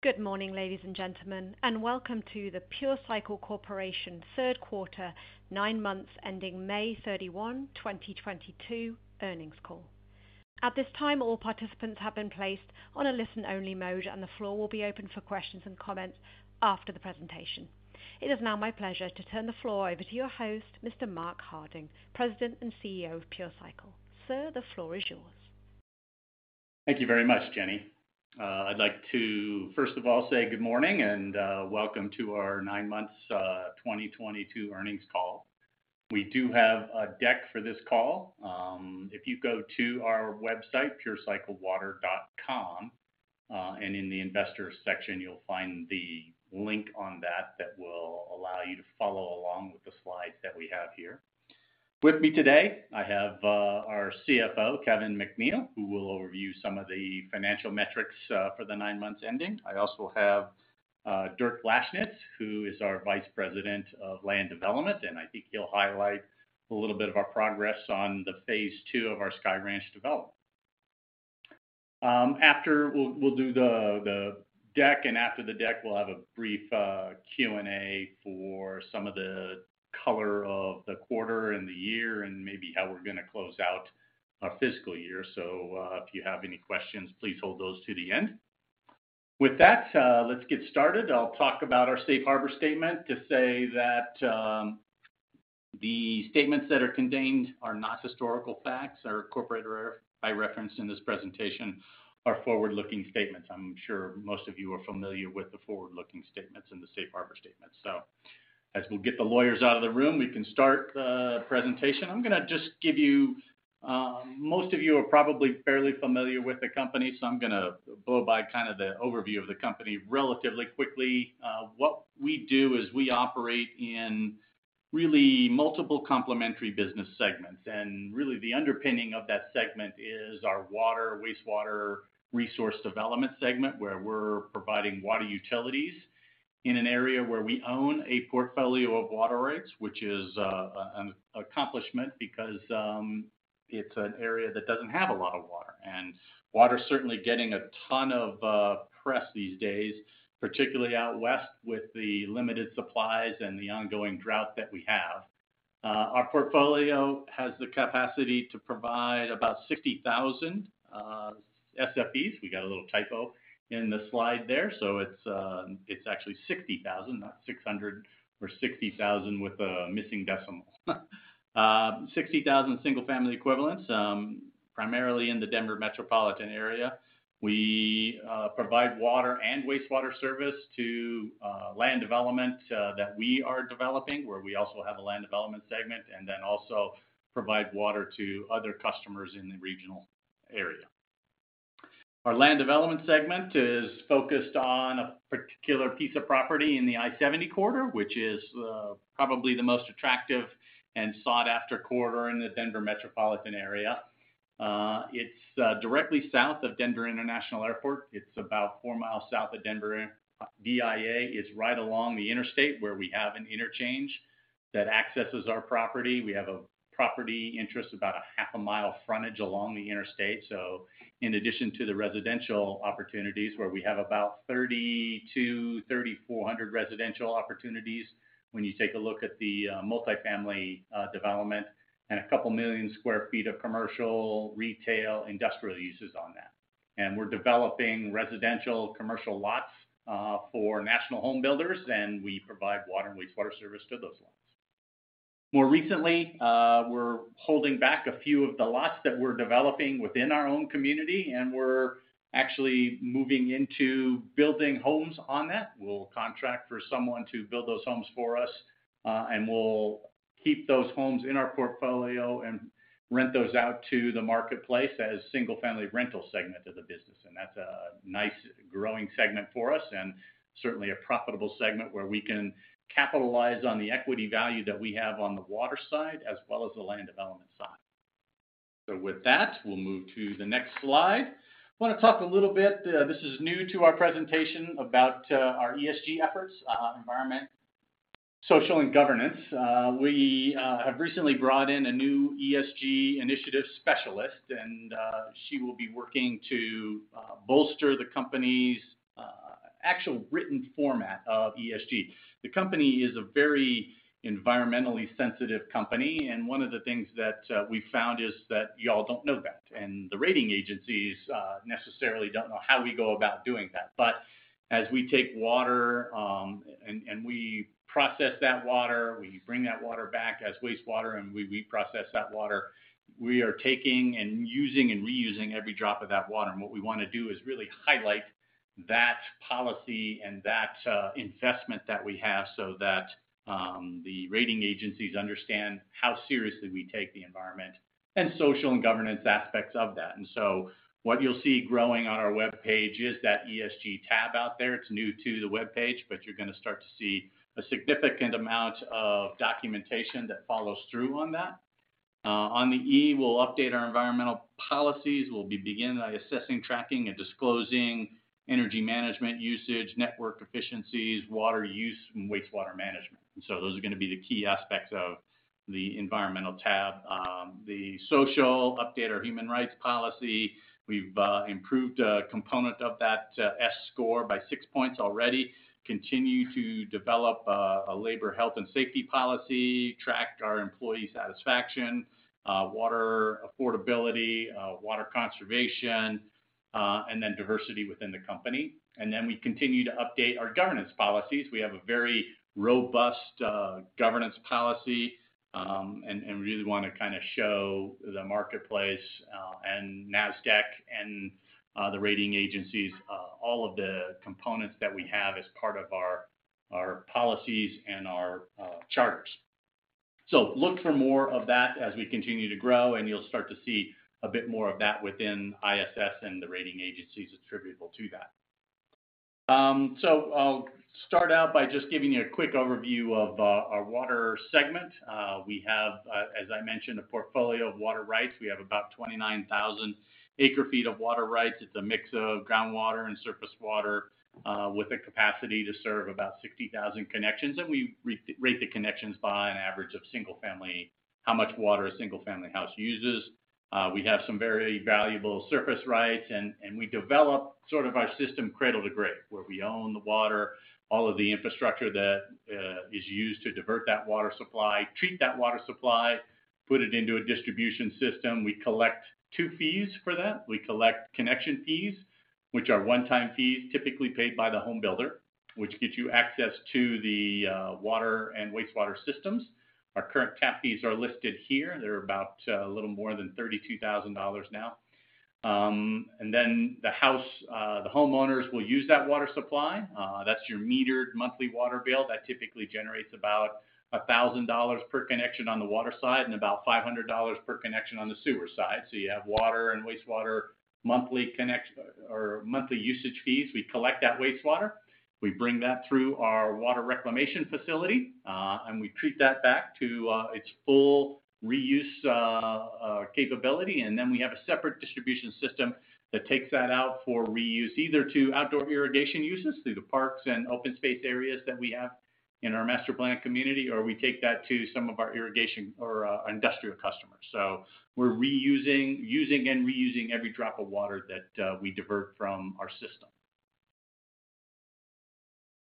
Good morning, ladies and gentlemen, and welcome to the Pure Cycle Corporation third quarter nine months ending May 31, 2022 earnings call. At this time, all participants have been placed on a listen-only mode, and the floor will be open for questions and comments after the presentation. It is now my pleasure to turn the floor over to your host, Mr. Mark Harding, President and CEO of Pure Cycle. Sir, the floor is yours. Thank you very much, Jenny. I'd like to, first of all, say good morning and welcome to our nine months 2022 earnings call. We do have a deck for this call. If you go to our website, purecyclewater.com, and in the investor section, you'll find the link on that that will allow you to follow along with the slides that we have here. With me today, I have our CFO, Kevin McNeill, who will overview some of the financial metrics for the 9 months ending. I also have Dirk Lashnits, who is our Vice President of Land Development, and I think he'll highlight a little bit of our progress on the phase two of our Sky Ranch development. After we'll do the deck, and after the deck, we'll have a brief Q&A for some of the color of the quarter and the year and maybe how we're gonna close out our fiscal year. If you have any questions, please hold those to the end. With that, let's get started. I'll talk about our safe harbor statement to say that the statements that are contained are not historical facts or corporate or I referenced in this presentation are forward-looking statements. I'm sure most of you are familiar with the forward-looking statements and the safe harbor statement. As we'll get the lawyers out of the room, we can start the presentation. Most of you are probably fairly familiar with the company, so I'm gonna blow by kind of the overview of the company relatively quickly. What we do is we operate in really multiple complementary business segments, and really the underpinning of that segment is our water, wastewater resource development segment, where we're providing water utilities in an area where we own a portfolio of water rights, which is an accomplishment because it's an area that doesn't have a lot of water. Water is certainly getting a ton of press these days, particularly out west with the limited supplies and the ongoing drought that we have. Our portfolio has the capacity to provide about 60,000 SFEs. We got a little typo in the slide there. It's actually 60,000, not 600 or 60,000 with a missing decimal. 60,000 single-family equivalents, primarily in the Denver metropolitan area. We provide water and wastewater service to land development that we are developing, where we also have a land development segment, and then also provide water to other customers in the regional area. Our land development segment is focused on a particular piece of property in the I-70 corridor, which is probably the most attractive and sought-after corridor in the Denver metropolitan area. It's directly south of Denver International Airport. It's about four miles south of Denver. DIA is right along the interstate, where we have an interchange that accesses our property. We have a property interest, about half a mile frontage along the interstate. In addition to the residential opportunities, where we have about 3,200-3,400 residential opportunities, when you take a look at the multifamily development and a couple million sq ft of commercial, retail, industrial uses on that. We're developing residential, commercial lots for national home builders, and we provide water and wastewater service to those lots. More recently, we're holding back a few of the lots that we're developing within our own community, and we're actually moving into building homes on that. We'll contract for someone to build those homes for us, and we'll keep those homes in our portfolio and rent those out to the marketplace as single-family rental segment of the business. That's a nice growing segment for us and certainly a profitable segment where we can capitalize on the equity value that we have on the water side as well as the land development side. With that, we'll move to the next slide. Wanna talk a little bit, this is new to our presentation about our ESG efforts, environment, social, and governance. We have recently brought in a new ESG initiative specialist, and she will be working to bolster the company's actual written format of ESG. The company is a very environmentally sensitive company, and one of the things that we found is that y'all don't know that. The rating agencies necessarily don't know how we go about doing that. As we take water, and we process that water, we bring that water back as wastewater, and we reprocess that water. We are taking and using and reusing every drop of that water. What we wanna do is really highlight that policy and that investment that we have so that the rating agencies understand how seriously we take the environment and social and governance aspects of that. What you'll see growing on our webpage is that ESG tab out there. It's new to the webpage, but you're gonna start to see a significant amount of documentation that follows through on that. On the E, we'll update our environmental policies. We'll begin by assessing, tracking, and disclosing energy management usage, network efficiencies, water use, and wastewater management. Those are gonna be the key aspects of the environmental tab. Update our human rights policy. We've improved a component of that S score by six points already. Continue to develop a labor health and safety policy, track our employee satisfaction, water affordability, water conservation, and then diversity within the company. We continue to update our governance policies. We have a very robust governance policy and really wanna kind of show the marketplace and Nasdaq and the rating agencies all of the components that we have as part of our policies and our charters. Look for more of that as we continue to grow, and you'll start to see a bit more of that within ISS and the rating agencies attributable to that. I'll start out by just giving you a quick overview of our water segment. We have, as I mentioned, a portfolio of water rights. We have about 29,000 acre-ft of water rights. It's a mix of groundwater and surface water, with the capacity to serve about 60,000 connections. We rate the connections by an average of single family, how much water a single family house uses. We have some very valuable surface rights and we develop sort of our system cradle to grave, where we own the water, all of the infrastructure that is used to divert that water supply, treat that water supply, put it into a distribution system. We collect two fees for that. We collect connection fees, which are one-time fees typically paid by the home builder, which gets you access to the water and wastewater systems. Our current tap fees are listed here. They're about a little more than $32,000 now. The house, the homeowners will use that water supply. That's your metered monthly water bill. That typically generates about $1,000 per connection on the water side and about $500 per connection on the sewer side. You have water and wastewater monthly connection or monthly usage fees. We collect that wastewater. We bring that through our water reclamation facility, and we treat that back to its full reuse capability. We have a separate distribution system that takes that out for reuse, either to outdoor irrigation uses through the parks and open space areas that we have in our master plan community, or we take that to some of our irrigation or industrial customers. We're using and reusing every drop of water that we divert from our system.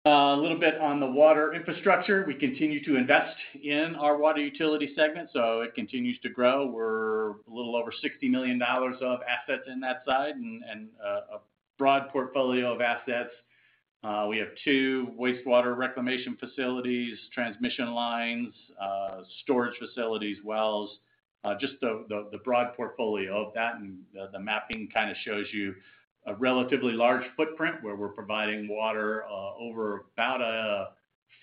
A little bit on the water infrastructure. We continue to invest in our water utility segment, so it continues to grow. We're a little over $60 million of assets in that side and a broad portfolio of assets. We have two wastewater reclamation facilities, transmission lines, storage facilities, wells, just the broad portfolio of that. The mapping kind of shows you a relatively large footprint where we're providing water over about a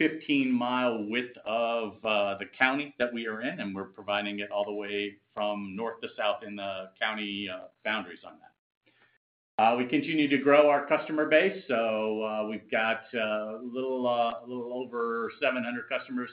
15-mile width of the county that we are in, and we're providing it all the way from north to south in the county boundaries on that. We continue to grow our customer base, so we've got a little over 700 customers.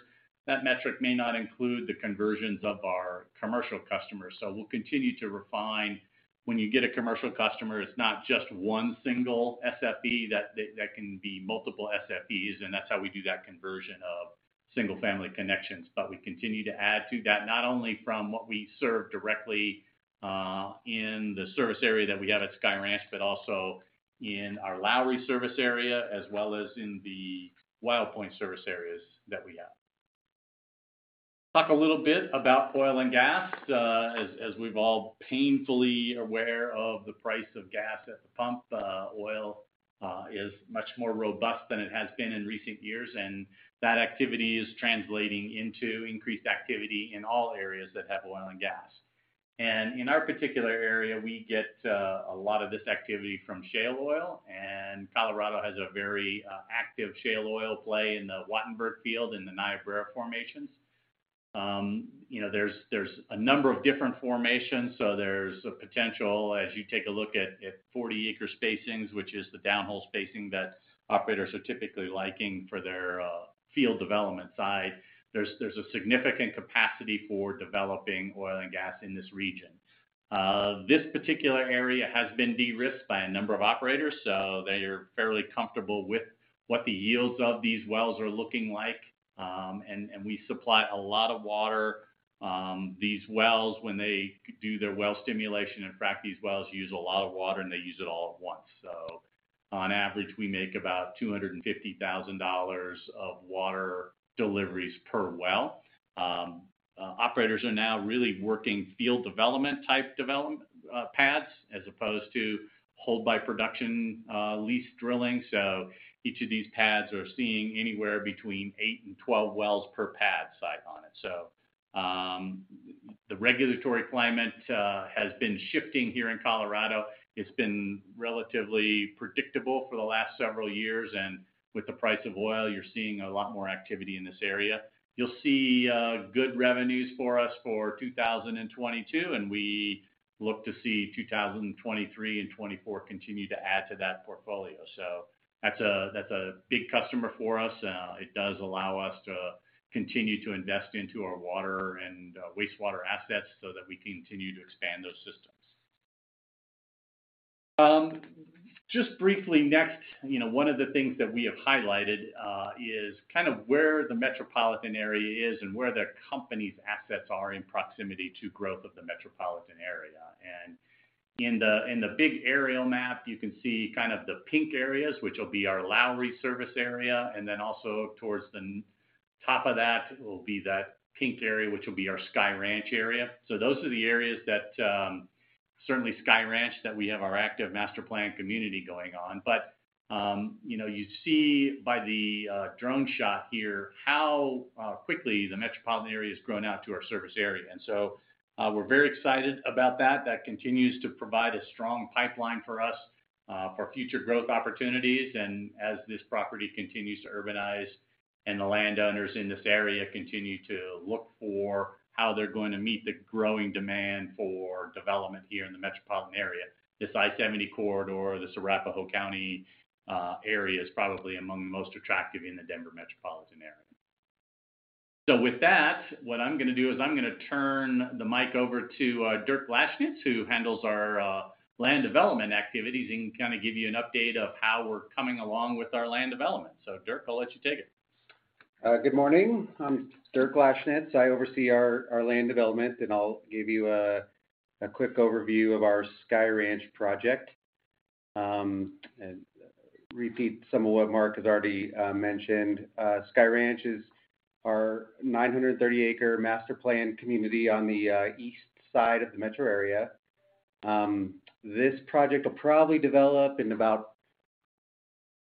That metric may not include the conversions of our commercial customers, so we'll continue to refine. When you get a commercial customer, it's not just one single SFE. That can be multiple SFEs, and that's how we do that conversion of single-family connections. We continue to add to that, not only from what we serve directly, in the service area that we have at Sky Ranch, but also in our Lowry service area as well as in the Wild Pointe service areas that we have. Talk a little bit about oil and gas. As we're all painfully aware of the price of gas at the pump, oil is much more robust than it has been in recent years, and that activity is translating into increased activity in all areas that have oil and gas. In our particular area, we get a lot of this activity from shale oil, and Colorado has a very active shale oil play in the Wattenberg Field in the Niobrara formations. You know, there's a number of different formations, so there's a potential as you take a look at 40-acre spacings, which is the downhole spacing that operators are typically liking for their field development side. There's a significant capacity for developing oil and gas in this region. This particular area has been de-risked by a number of operators, so they are fairly comfortable with what the yields of these wells are looking like. And we supply a lot of water. These wells, when they do their well stimulation and frac these wells, use a lot of water, and they use it all at once. On average, we make about $250,000 of water deliveries per well. Operators are now really working field development pads as opposed to hold by production lease drilling. Each of these pads are seeing anywhere between eight and 12 wells per pad site on it. The regulatory climate has been shifting here in Colorado. It's been relatively predictable for the last several years, and with the price of oil, you're seeing a lot more activity in this area. You'll see good revenues for us for 2022, and we look to see 2023 and 2024 continue to add to that portfolio. That's a big customer for us. It does allow us to continue to invest into our water and wastewater assets so that we can continue to expand those systems. Just briefly next, you know, one of the things that we have highlighted is kind of where the metropolitan area is and where the company's assets are in proximity to growth of the metropolitan area. In the big aerial map, you can see kind of the pink areas, which will be our Lowry service area, and then also towards the top of that will be that pink area, which will be our Sky Ranch area. Those are the areas that certainly Sky Ranch that we have our active master planned community going on. You know, you see by the drone shot here how quickly the metropolitan area has grown out to our service area. We're very excited about that. That continues to provide a strong pipeline for us, for future growth opportunities. As this property continues to urbanize and the landowners in this area continue to look for how they're going to meet the growing demand for development here in the metropolitan area, this I-70 corridor, this Arapahoe County area is probably among the most attractive in the Denver metropolitan area. With that, what I'm gonna do is I'm gonna turn the mic over to Dirk Lashnits, who handles our land development activities, and kind of give you an update of how we're coming along with our land development. Dirk, I'll let you take it. Good morning. I'm Dirk Lashnits. I oversee our land development, and I'll give you a quick overview of our Sky Ranch project, and repeat some of what Mark has already mentioned. Sky Ranch is our 930-acre master planned community on the east side of the metro area. This project will probably develop in about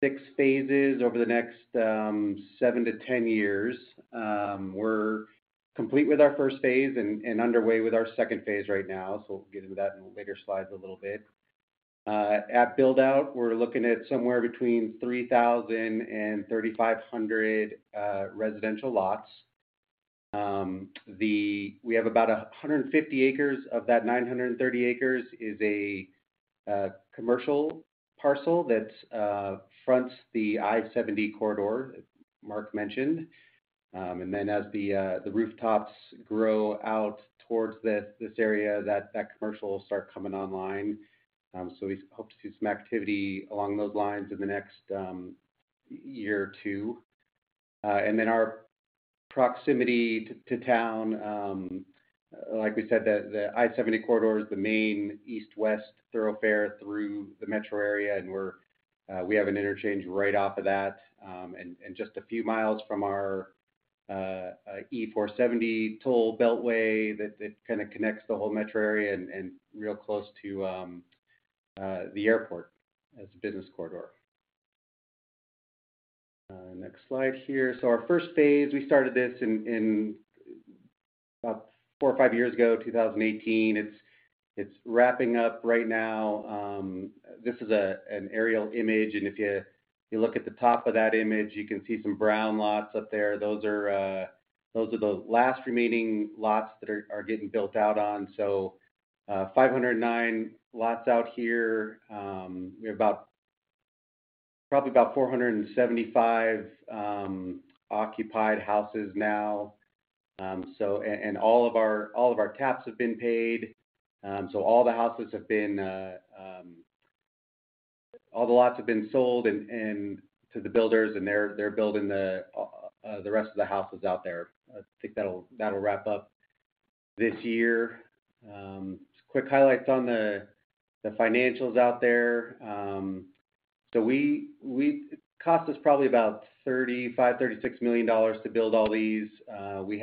six phases over the next seven to 10 years. We're complete with our first phase and underway with our second phase right now, so we'll get into that in later slides a little bit. At build-out, we're looking at somewhere between 3,000 and 3,500 residential lots. We have about 150 acres. Of that 930 acres is a commercial parcel that fronts the I-70 corridor Mark mentioned. As the rooftops grow out towards this area, that commercial will start coming online. We hope to see some activity along those lines in the next year or two. Our proximity to town, like we said, the I-70 corridor is the main east-west thoroughfare through the metro area, and we have an interchange right off of that, and just a few miles from our E-470 toll beltway that kind of connects the whole metro area and real close to the airport as a business corridor. Next slide here. Our first phase, we started this in about four or five years ago, 2018. It's wrapping up right now. This is an aerial image, and if you look at the top of that image, you can see some brown lots up there. Those are the last remaining lots that are getting built out on. 509 lots out here. We have about probably about 475 occupied houses now. All of our TAPs have been paid. All the lots have been sold to the builders, and they're building the rest of the houses out there. I think that'll wrap up this year. Just quick highlights on the financials out there. It cost us probably about $35 million-$36 million to build all these. We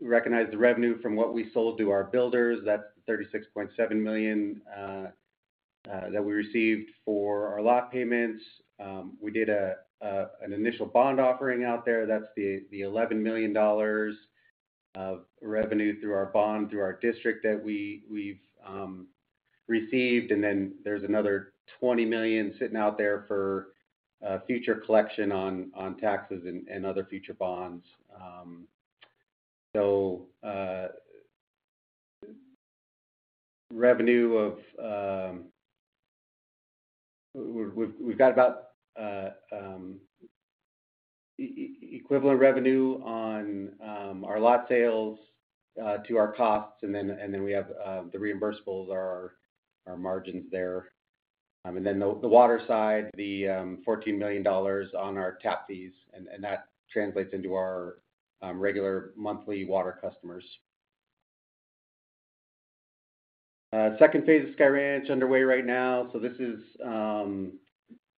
recognized the revenue from what we sold to our builders. That's the $36.7 million that we received for our lot payments. We did an initial bond offering out there. That's the $11 million of revenue through our bond, through our district that we've received. There's another $20 million sitting out there for future collection on taxes and other future bonds. We've got about equivalent revenue on our lot sales to our costs, and then we have the reimbursables are our margins there. The water side, the $14 million on our TAP fees, and that translates into our regular monthly water customers. Second phase of Sky Ranch underway right now. This is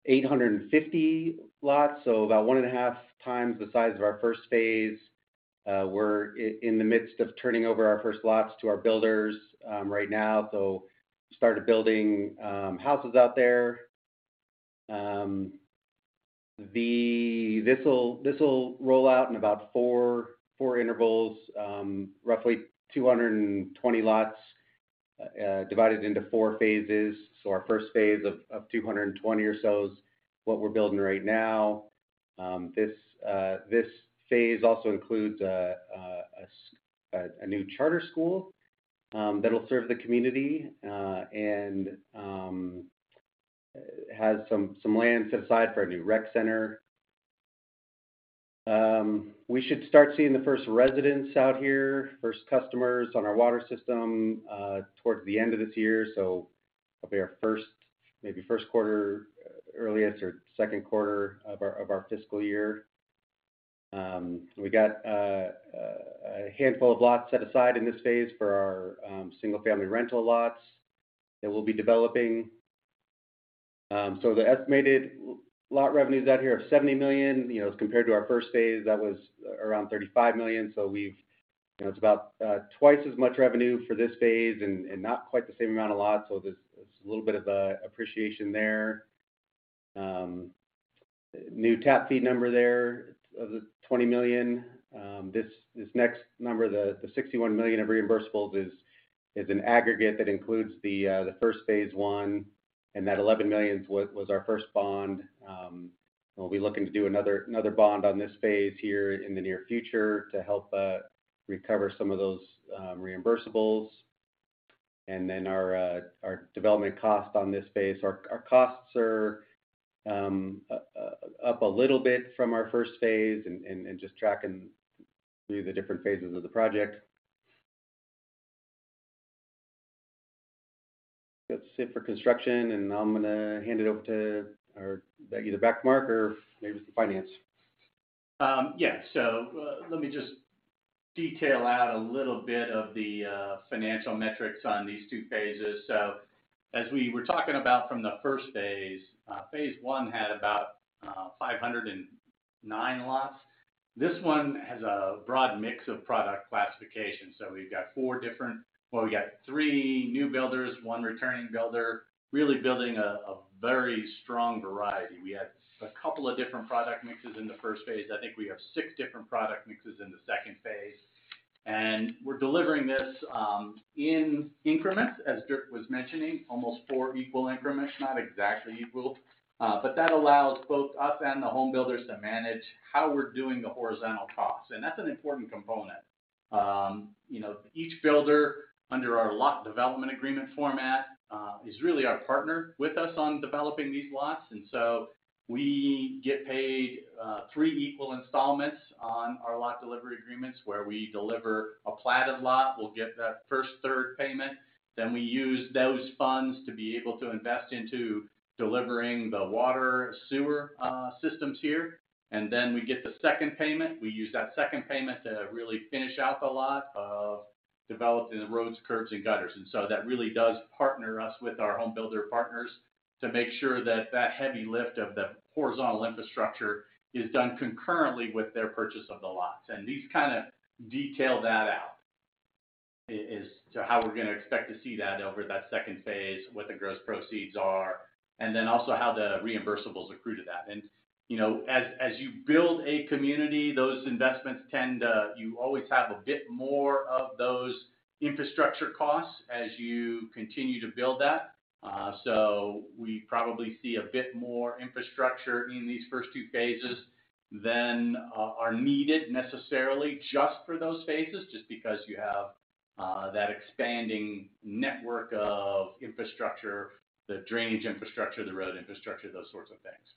850 lots, about one and a half times the size of our first phase. We're in the midst of turning over our first lots to our builders right now, so started building houses out there. This'll roll out in about four intervals, roughly 220 lots divided into four phases. Our first phase of 220 or so is what we're building right now. This phase also includes a new charter school that'll serve the community, and has some land set aside for a new rec center. We should start seeing the first residents out here, first customers on our water system, towards the end of this year. It'll be our first, maybe first quarter earliest or second quarter of our fiscal year. We got a handful of lots set aside in this phase for our single-family rental lots that we'll be developing. The estimated lot revenues out here are $70 million. You know, as compared to our first phase, that was around $35 million. We've, you know, it's about twice as much revenue for this phase and not quite the same amount of lot. There's a little bit of appreciation there. New tap fee number there of $20 million. This next number, the $61 million of reimbursables is an aggregate that includes the first phase one, and that $11 million was our first bond. We'll be looking to do another bond on this phase here in the near future to help recover some of those reimbursables. Then our development cost on this phase. Our costs are up a little bit from our first phase and just tracking through the different phases of the project. That's it for construction, and I'm gonna hand it over to our either back to Mark or maybe it's the finance. Let me just detail out a little bit of the financial metrics on these two phases. As we were talking about from the first phase one had about 509 lots. This one has a broad mix of product classifications. We've got four different well, we've got three new builders, one returning builder, really building a very strong variety. We had a couple of different product mixes in the first phase. I think we have six different product mixes in the second phase. We're delivering this in increments, as Dirk was mentioning, almost four equal increments, not exactly equal. That allows both us and the home builders to manage how we're doing the horizontal costs, and that's an important component. You know, each builder under our lot development agreement format is really our partner with us on developing these lots. We get paid three equal installments on our lot delivery agreements, where we deliver a platted lot. We'll get that first third payment, then we use those funds to be able to invest into delivering the water, sewer systems here. We get the second payment. We use that second payment to really finish out the lot of developing the roads, curbs and gutters. That really does partner us with our home builder partners to make sure that that heavy lift of the horizontal infrastructure is done concurrently with their purchase of the lots. This kind of detail that out is to how we're going to expect to see that over that second phase, what the gross proceeds are, and then also how the reimbursables accrue to that. As you build a community, those investments tend to, you always have a bit more of those infrastructure costs as you continue to build that. We probably see a bit more infrastructure in these first two phases than are needed necessarily just for those phases, just because you have that expanding network of infrastructure, the drainage infrastructure, the road infrastructure, those sorts of things.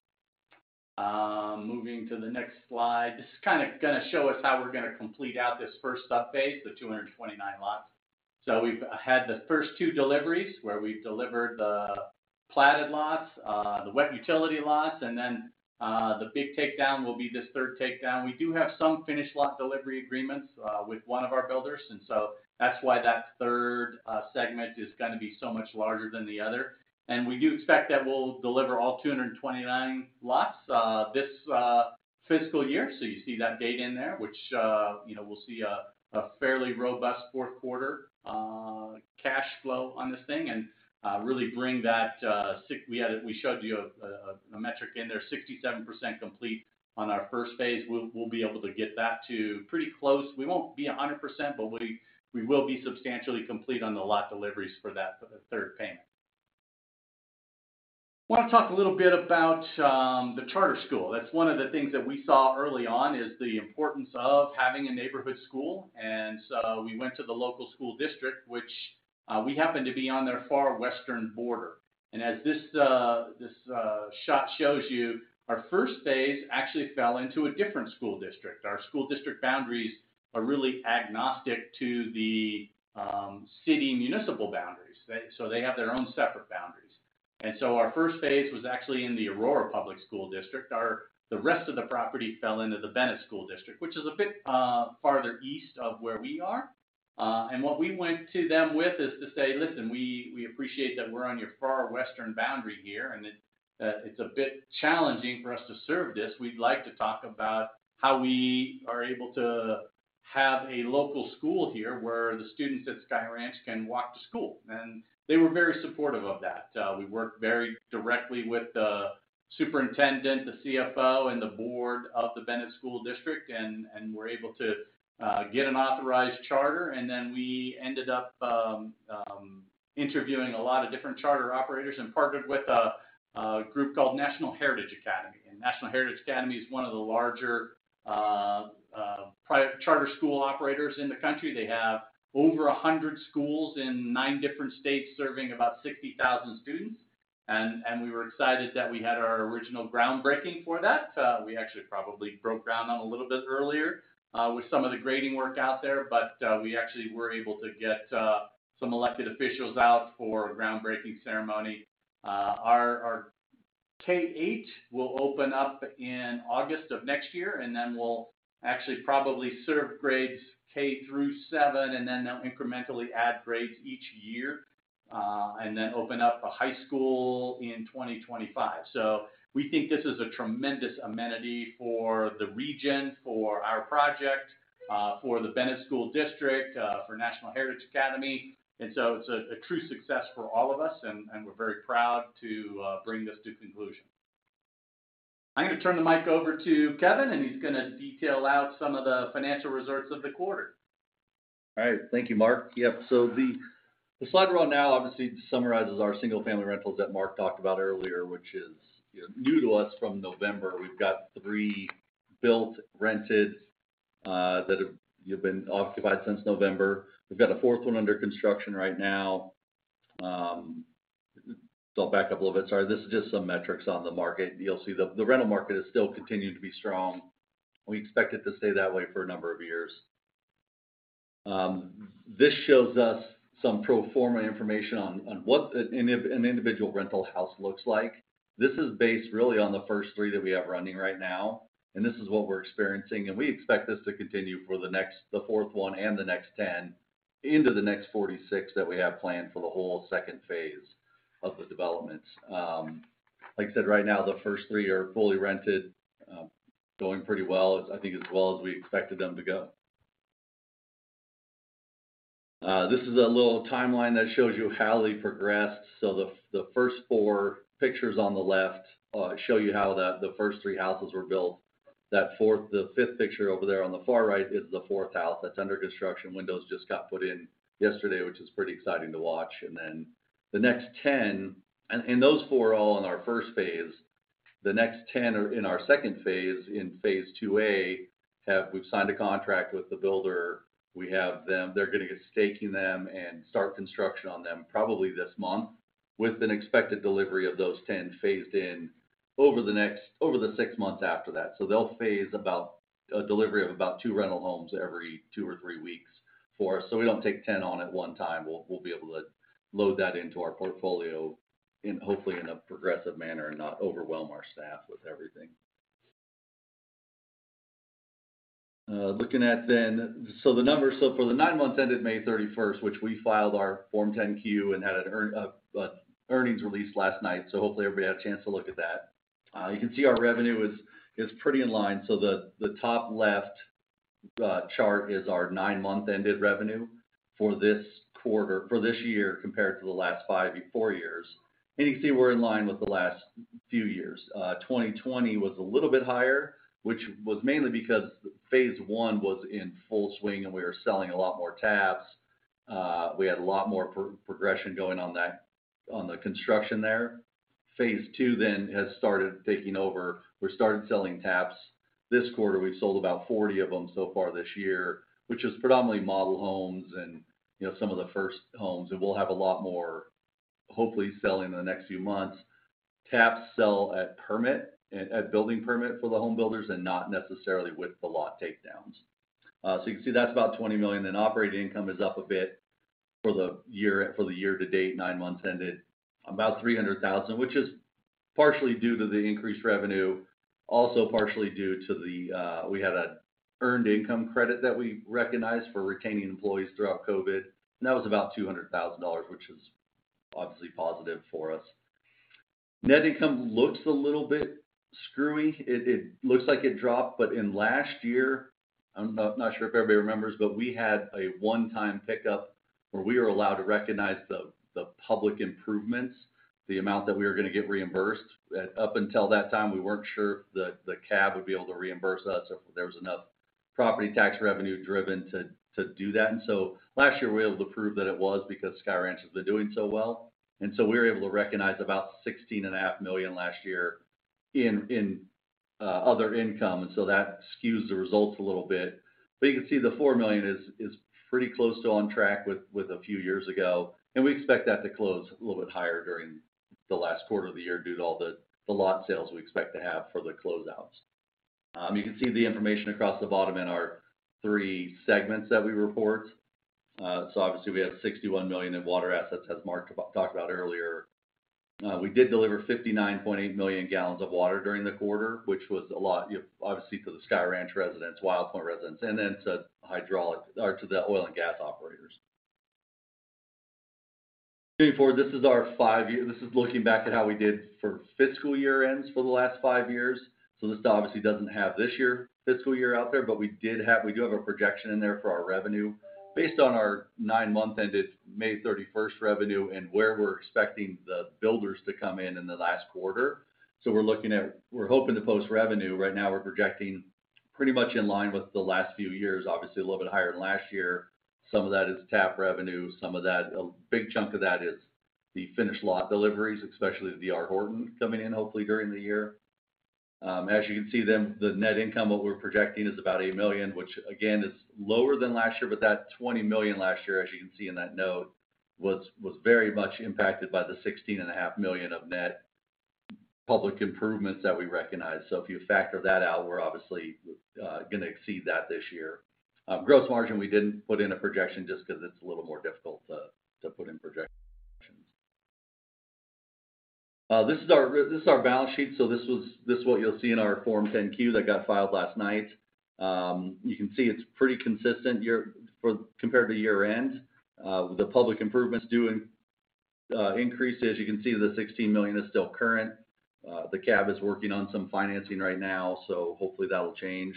Moving to the next slide. This is kinda gonna show us how we're gonna complete out this first sub-phase, the 229 lots. We've had the first two deliveries, where we've delivered the platted lots, the wet utility lots, and then the big takedown will be this third takedown. We do have some finished lot delivery agreements with one of our builders, that's why that third segment is gonna be so much larger than the other. We do expect that we'll deliver all 229 lots this fiscal year. You see that date in there, which you know we'll see a fairly robust fourth quarter cash flow on this thing and really bring that. We showed you a metric in there, 67% complete on our first phase. We'll be able to get that to pretty close. We won't be 100%, but we will be substantially complete on the lot deliveries for that, for the third payment. Want to talk a little bit about the charter school. That's one of the things that we saw early on, is the importance of having a neighborhood school. We went to the local school district, which we happen to be on their far western border. As this shot shows you, our first phase actually fell into a different school district. Our school district boundaries are really agnostic to the city municipal boundaries. They have their own separate boundaries. Our first phase was actually in the Aurora Public Schools. The rest of the property fell into the Bennett School District, which is a bit farther east of where we are. What we went to them with is to say, "Listen, we appreciate that we're on your far western boundary here, and it's a bit challenging for us to serve this. We'd like to talk about how we are able to have a local school here where the students at Sky Ranch can walk to school." They were very supportive of that. We worked very directly with the superintendent, the CFO, and the board of the Bennett School District and were able to get an authorized charter. We ended up interviewing a lot of different charter operators and partnered with a group called National Heritage Academies. National Heritage Academies is one of the larger private charter school operators in the country. They have over 100 schools in nine different states, serving about 60,000 students. We were excited that we had our original groundbreaking for that. We actually probably broke ground on a little bit earlier with some of the grading work out there, but we actually were able to get some elected officials out for a groundbreaking ceremony. Our K-8 will open up in August of next year, and then we'll actually probably serve grades K through seven, and then they'll incrementally add grades each year and then open up a high school in 2025. We think this is a tremendous amenity for the region, for our project, for the Bennett School District, for National Heritage Academies. It's a true success for all of us, and we're very proud to bring this to conclusion. I'm gonna turn the mic over to Kevin, and he's gonna detail out some of the financial results of the quarter. All right. Thank you, Mark. Yep. The slide we're on now obviously summarizes our single-family rentals that Mark talked about earlier, which is, you know, new to us from November. We've got three built, rented, that have, you know, been occupied since November. We've got a fourth one under construction right now. I'll back up a little bit. Sorry. This is just some metrics on the market. You'll see the rental market has still continued to be strong. We expect it to stay that way for a number of years. This shows us some pro forma information on what an individual rental house looks like. This is based really on the first three that we have running right now, and this is what we're experiencing, and we expect this to continue for the next The fourth one and the next 10 into the next 46 that we have planned for the whole second phase of the developments. Like I said, right now the first three are fully rented, going pretty well, I think as well as we expected them to go. This is a little timeline that shows you how they progressed. The first four pictures on the left show you how the first three houses were built. That fourth... the fifth picture over there on the far right is the fourth house that's under construction. Windows just got put in yesterday, which is pretty exciting to watch. Then the next 10. Those four are all in our first phase. The next 10 are in our second phase, in phase II- A. We've signed a contract with the builder. We have them. They're gonna get staking them and start construction on them probably this month, with an expected delivery of those 10 phased in over the six months after that. They'll phase about a delivery of about two rental homes every two or three weeks for us, so we don't take 10 on at one time. We'll be able to load that into our portfolio in, hopefully in a progressive manner and not overwhelm our staff with everything. Looking at them. The numbers. For the nine months ended May 31, which we filed our Form 10-Q and had an earnings release last night, so hopefully everybody had a chance to look at that. You can see our revenue is pretty in line. The top left chart is our nine-month ended revenue for this year compared to the last five or four years. You can see we're in line with the last few years. 2020 was a little bit higher, which was mainly because phase one was in full swing, and we were selling a lot more taps. We had a lot more progression going on the construction there. Phase two then has started taking over. We started selling taps this quarter. We've sold about 40 of them so far this year, which is predominantly model homes and, you know, some of the first homes, and we'll have a lot more hopefully selling in the next few months. Taps sell at building permit for the home builders and not necessarily with the lot takedowns. You can see that's about $20 million. Operating income is up a bit for the year, for the year to date, nine months ended, about $300,000, which is partially due to the increased revenue, also partially due to the we had an earned income credit that we recognized for retaining employees throughout COVID, and that was about $200,000, which was obviously positive for us. Net income looks a little bit screwy. It looks like it dropped, but in last year, I'm not sure if everybody remembers, but we had a one-time pickup where we were allowed to recognize the public improvements, the amount that we were gonna get reimbursed. Up until that time, we weren't sure if the CAB would be able to reimburse us if there was enough property tax revenue driven to do that. Last year, we were able to prove that it was because Sky Ranch has been doing so well. We were able to recognize about $16.5 million last year in other income, and so that skews the results a little bit. You can see the $4 million is pretty close to on track with a few years ago, and we expect that to close a little bit higher during the last quarter of the year due to all the lot sales we expect to have for the closeouts. You can see the information across the bottom in our 3 segments that we report. Obviously, we have $61 million in water assets, as Mark talked about earlier. We did deliver 59.8 million gal of water during the quarter, which was a lot, you know, obviously to the Sky Ranch residents, Wild Pointe residents, and then to hydraulic or to the oil and gas operators. Moving forward, this is looking back at how we did for fiscal year ends for the last five years. This obviously doesn't have this year, fiscal year out there, but we do have a projection in there for our revenue based on our nine-month ended May 31 revenue and where we're expecting the builders to come in in the last quarter. We're looking at. We're hoping to post revenue. Right now, we're projecting pretty much in line with the last few years, obviously a little bit higher than last year. Some of that is tap revenue, some of that a big chunk of that is the finished lot deliveries, especially the D.R. Horton coming in hopefully during the year. As you can see then, the net income, what we're projecting is about $8 million, which again is lower than last year, but that $20 million last year, as you can see in that note, was very much impacted by the $16.5 million of net public improvements that we recognized. If you factor that out, we're obviously gonna exceed that this year. Gross margin, we didn't put in a projection just because it's a little more difficult to put in projections. This is our balance sheet. This is what you'll see in our Form 10-Q that got filed last night. You can see it's pretty consistent compared to year-end. The public improvements do increase. As you can see, the $16 million is still current. The CAB is working on some financing right now, so hopefully that'll change.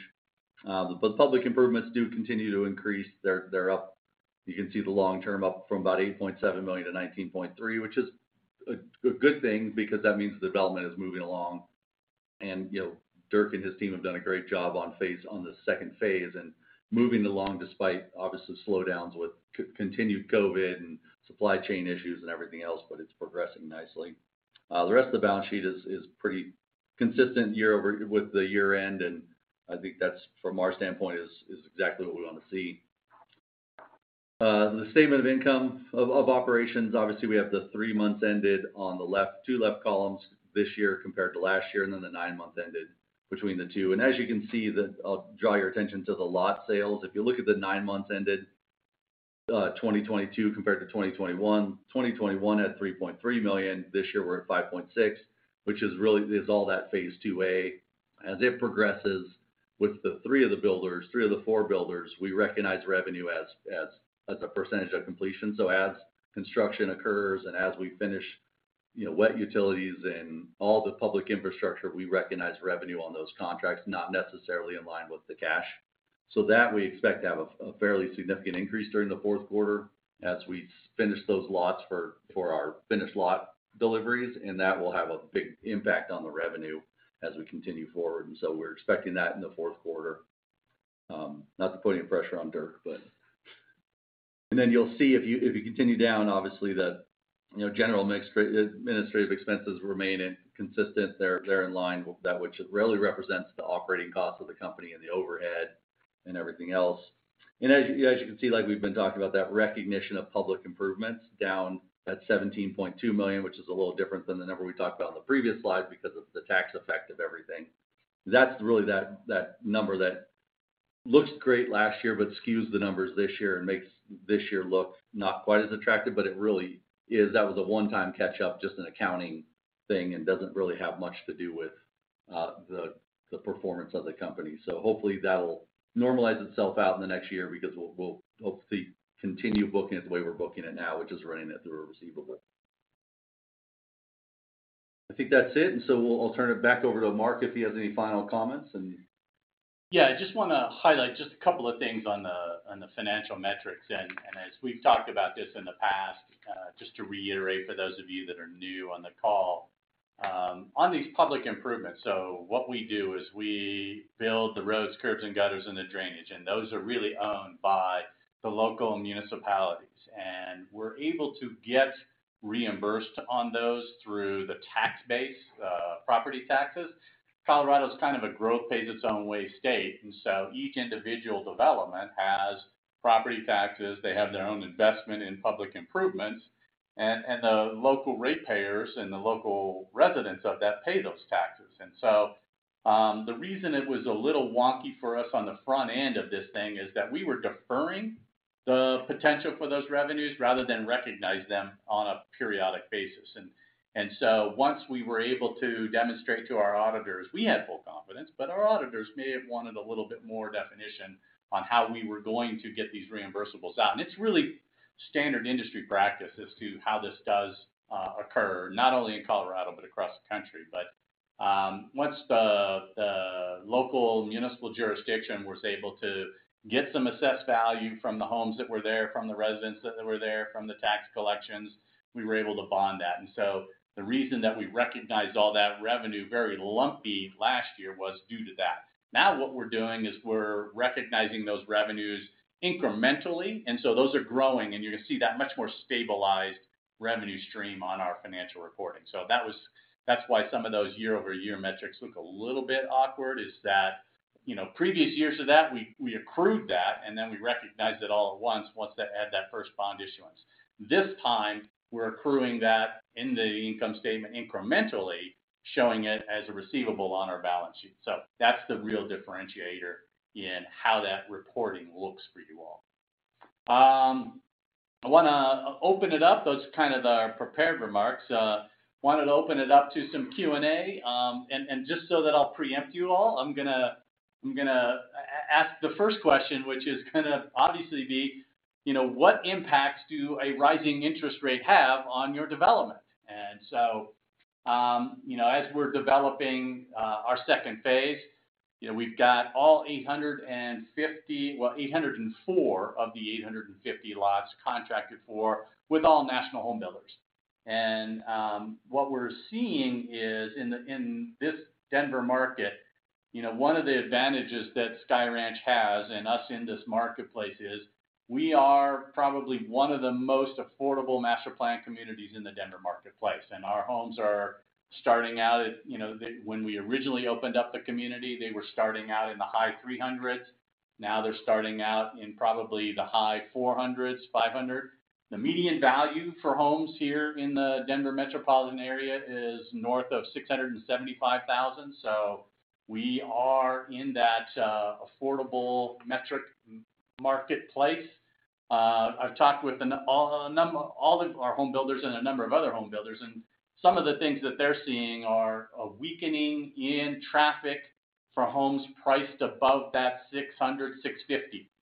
But the public improvements do continue to increase. They're up. You can see the long term up from about $8.7 million to $19.3 million, which is a good thing because that means the development is moving along. You know, Dirk and his team have done a great job on the second phase and moving along despite obviously slowdowns with continued COVID and supply chain issues and everything else, but it's progressing nicely. The rest of the balance sheet is pretty consistent with the year-end, and I think that's, from our standpoint, is exactly what we want to see. The statement of income of operations, obviously we have the three months ended on the left, the two left columns this year compared to last year, and then the nine months ended between the two. As you can see, I'll draw your attention to the lot sales. If you look at the nine months ended, 2022 compared to 2021 had $3.3 million. This year we're at $5.6 million, which is really all that phase two A. As it progresses with three of the four builders, we recognize revenue as a percentage of completion. As construction occurs and as we finish, you know, wet utilities and all the public infrastructure, we recognize revenue on those contracts, not necessarily in line with the cash. We expect to have a fairly significant increase during the fourth quarter as we finish those lots for our finished lot deliveries, and that will have a big impact on the revenue as we continue forward. We're expecting that in the fourth quarter. Not to put any pressure on Dirk, but. Then you'll see if you continue down, obviously the, you know, general and administrative expenses remain consistent. They're in line with that, which really represents the operating cost of the company and the overhead and everything else. As you can see, like we've been talking about, that recognition of public improvements down at $17.2 million, which is a little different than the number we talked about in the previous slide because of the tax effect of everything. That's really that number that looks great last year but skews the numbers this year and makes this year look not quite as attractive, but it really is. That was a one-time catch-up, just an accounting thing, and doesn't really have much to do with the performance of the company. Hopefully that'll normalize itself out in the next year because we'll hopefully continue booking it the way we're booking it now, which is running it through a receivable. I think that's it. I'll turn it back over to Mark if he has any final comments. Yeah, I just wanna highlight just a couple of things on the financial metrics. As we've talked about this in the past, just to reiterate for those of you that are new on the call, on these public improvements, so what we do is we build the roads, curbs, and gutters, and the drainage, and those are really owned by the local municipalities. We're able to get reimbursed on those through the tax base, property taxes. Colorado's kind of a growth pays its own way state, and so each individual development has property taxes. They have their own investment in public improvements, and the local ratepayers and the local residents of that pay those taxes. The reason it was a little wonky for us on the front end of this thing is that we were deferring the potential for those revenues rather than recognize them on a periodic basis. Once we were able to demonstrate to our auditors, we had full confidence, but our auditors may have wanted a little bit more definition on how we were going to get these reimbursables out. It's really standard industry practice as to how this does occur, not only in Colorado, but across the country. Once the local municipal jurisdiction was able to get some assessed value from the homes that were there, from the residents that were there, from the tax collections, we were able to bond that. The reason that we recognized all that revenue very lumpy last year was due to that. Now what we're doing is we're recognizing those revenues incrementally, and so those are growing, and you're gonna see that much more stabilized revenue stream on our financial reporting. That's why some of those year-over-year metrics look a little bit awkward is that, you know, previous years to that, we accrued that, and then we recognized it all at once had that first bond issuance. This time, we're accruing that in the income statement incrementally, showing it as a receivable on our balance sheet. That's the real differentiator in how that reporting looks for you all. I wanna open it up. Those are kind of our prepared remarks. Wanted to open it up to some Q&A. Just so that I'll preempt you all, I'm gonna ask the first question, which is gonna obviously be, you know, what impacts do a rising interest rate have on your development? As we're developing our second phase, you know, we've got all 850 – well, 804 of the 850 lots contracted for with all national home builders. What we're seeing is in this Denver market, you know, one of the advantages that Sky Ranch has, and us in this marketplace is we are probably one of the most affordable master-planned communities in the Denver marketplace. Our homes are starting out at, you know, when we originally opened up the community, they were starting out in the high $300s. Now they're starting out in probably the high $400s, $500. The median value for homes here in the Denver metropolitan area is north of $675,000. We are in that affordable metric marketplace. I've talked with a number of our home builders and a number of other home builders, and some of the things that they're seeing are a weakening in traffic for homes priced above that $600, $650.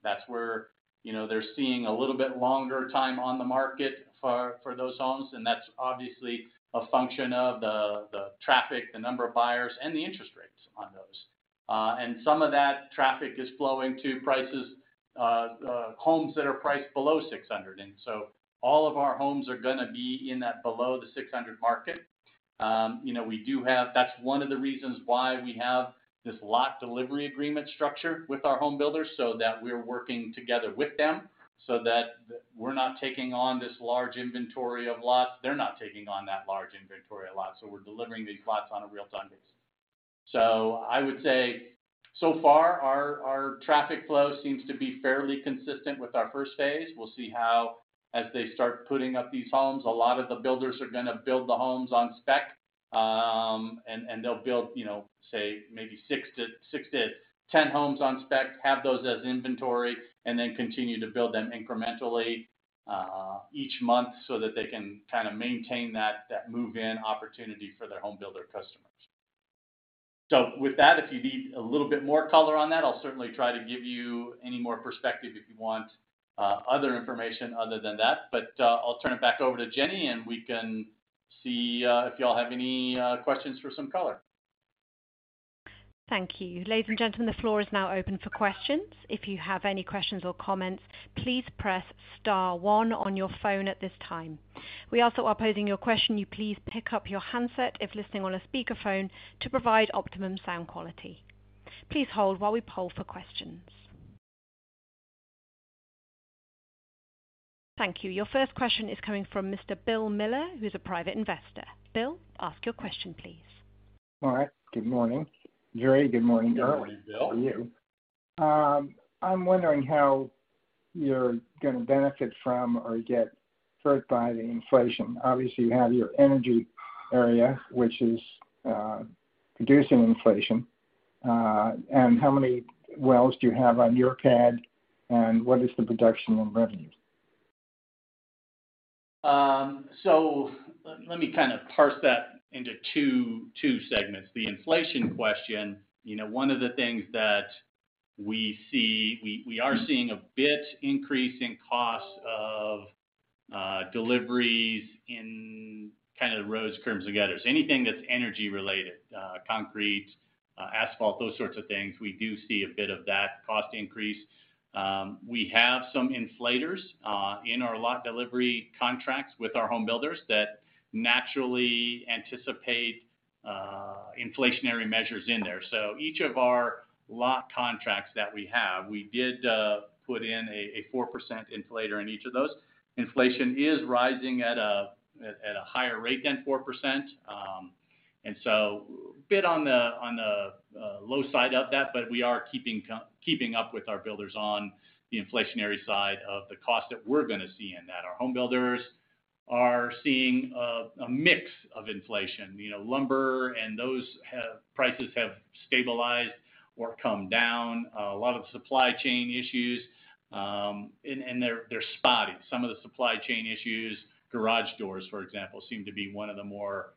That's where, you know, they're seeing a little bit longer time on the market for those homes, and that's obviously a function of the traffic, the number of buyers, and the interest rates on those. Some of that traffic is flowing to homes that are priced below $600. All of our homes are gonna be in that below the $600 market. You know, that's one of the reasons why we have this lot delivery agreement structure with our home builders so that we're working together with them so that we're not taking on this large inventory of lots. They're not taking on that large inventory of lots. We're delivering these lots on a real-time basis. I would say so far our traffic flow seems to be fairly consistent with our first phase. We'll see how as they start putting up these homes, a lot of the builders are gonna build the homes on spec, and they'll build, you know, say maybe six to 10 homes on spec, have those as inventory, and then continue to build them incrementally each month so that they can kind of maintain that move-in opportunity for their home builder customers. With that, if you need a little bit more color on that, I'll certainly try to give you any more perspective if you want other information other than that. I'll turn it back over to Jenny, and we can see if y'all have any questions for some color. Thank you. Ladies and gentlemen, the floor is now open for questions. If you have any questions or comments, please press star one on your phone at this time. We also, while posing your question, you please pick up your handset if listening on a speakerphone to provide optimum sound quality. Please hold while we poll for questions. Thank you. Your first question is coming from Mr. Bill Miller, who's a private investor. Bill, ask your question, please. All right. Good morning, Jerry. Good morning, Dirk. Good morning, Bill. How are you? I'm wondering how you're gonna benefit from or get hurt by the inflation. Obviously, you have your energy area which is producing inflation, and how many wells do you have on your pad, and what is the production and revenue? Let me kind of parse that into two segments. The inflation question, you know, one of the things that we see. We are seeing a bit of an increase in costs of deliveries in kind of roads, curbs, and gutters. Anything that's energy related, concrete, asphalt, those sorts of things, we do see a bit of that cost increase. We have some inflators in our lot delivery contracts with our home builders that naturally anticipate inflationary measures in there. Each of our lot contracts that we have, we did put in a 4% inflator in each of those. Inflation is rising at a higher rate than 4%, and so a bit on the low side of that. We are keeping up with our builders on the inflationary side of the cost that we're gonna see in that. Our home builders are seeing a mix of inflation. You know, lumber and those prices have stabilized or come down. A lot of supply chain issues, and they're spotty. Some of the supply chain issues, garage doors, for example, seem to be one of the more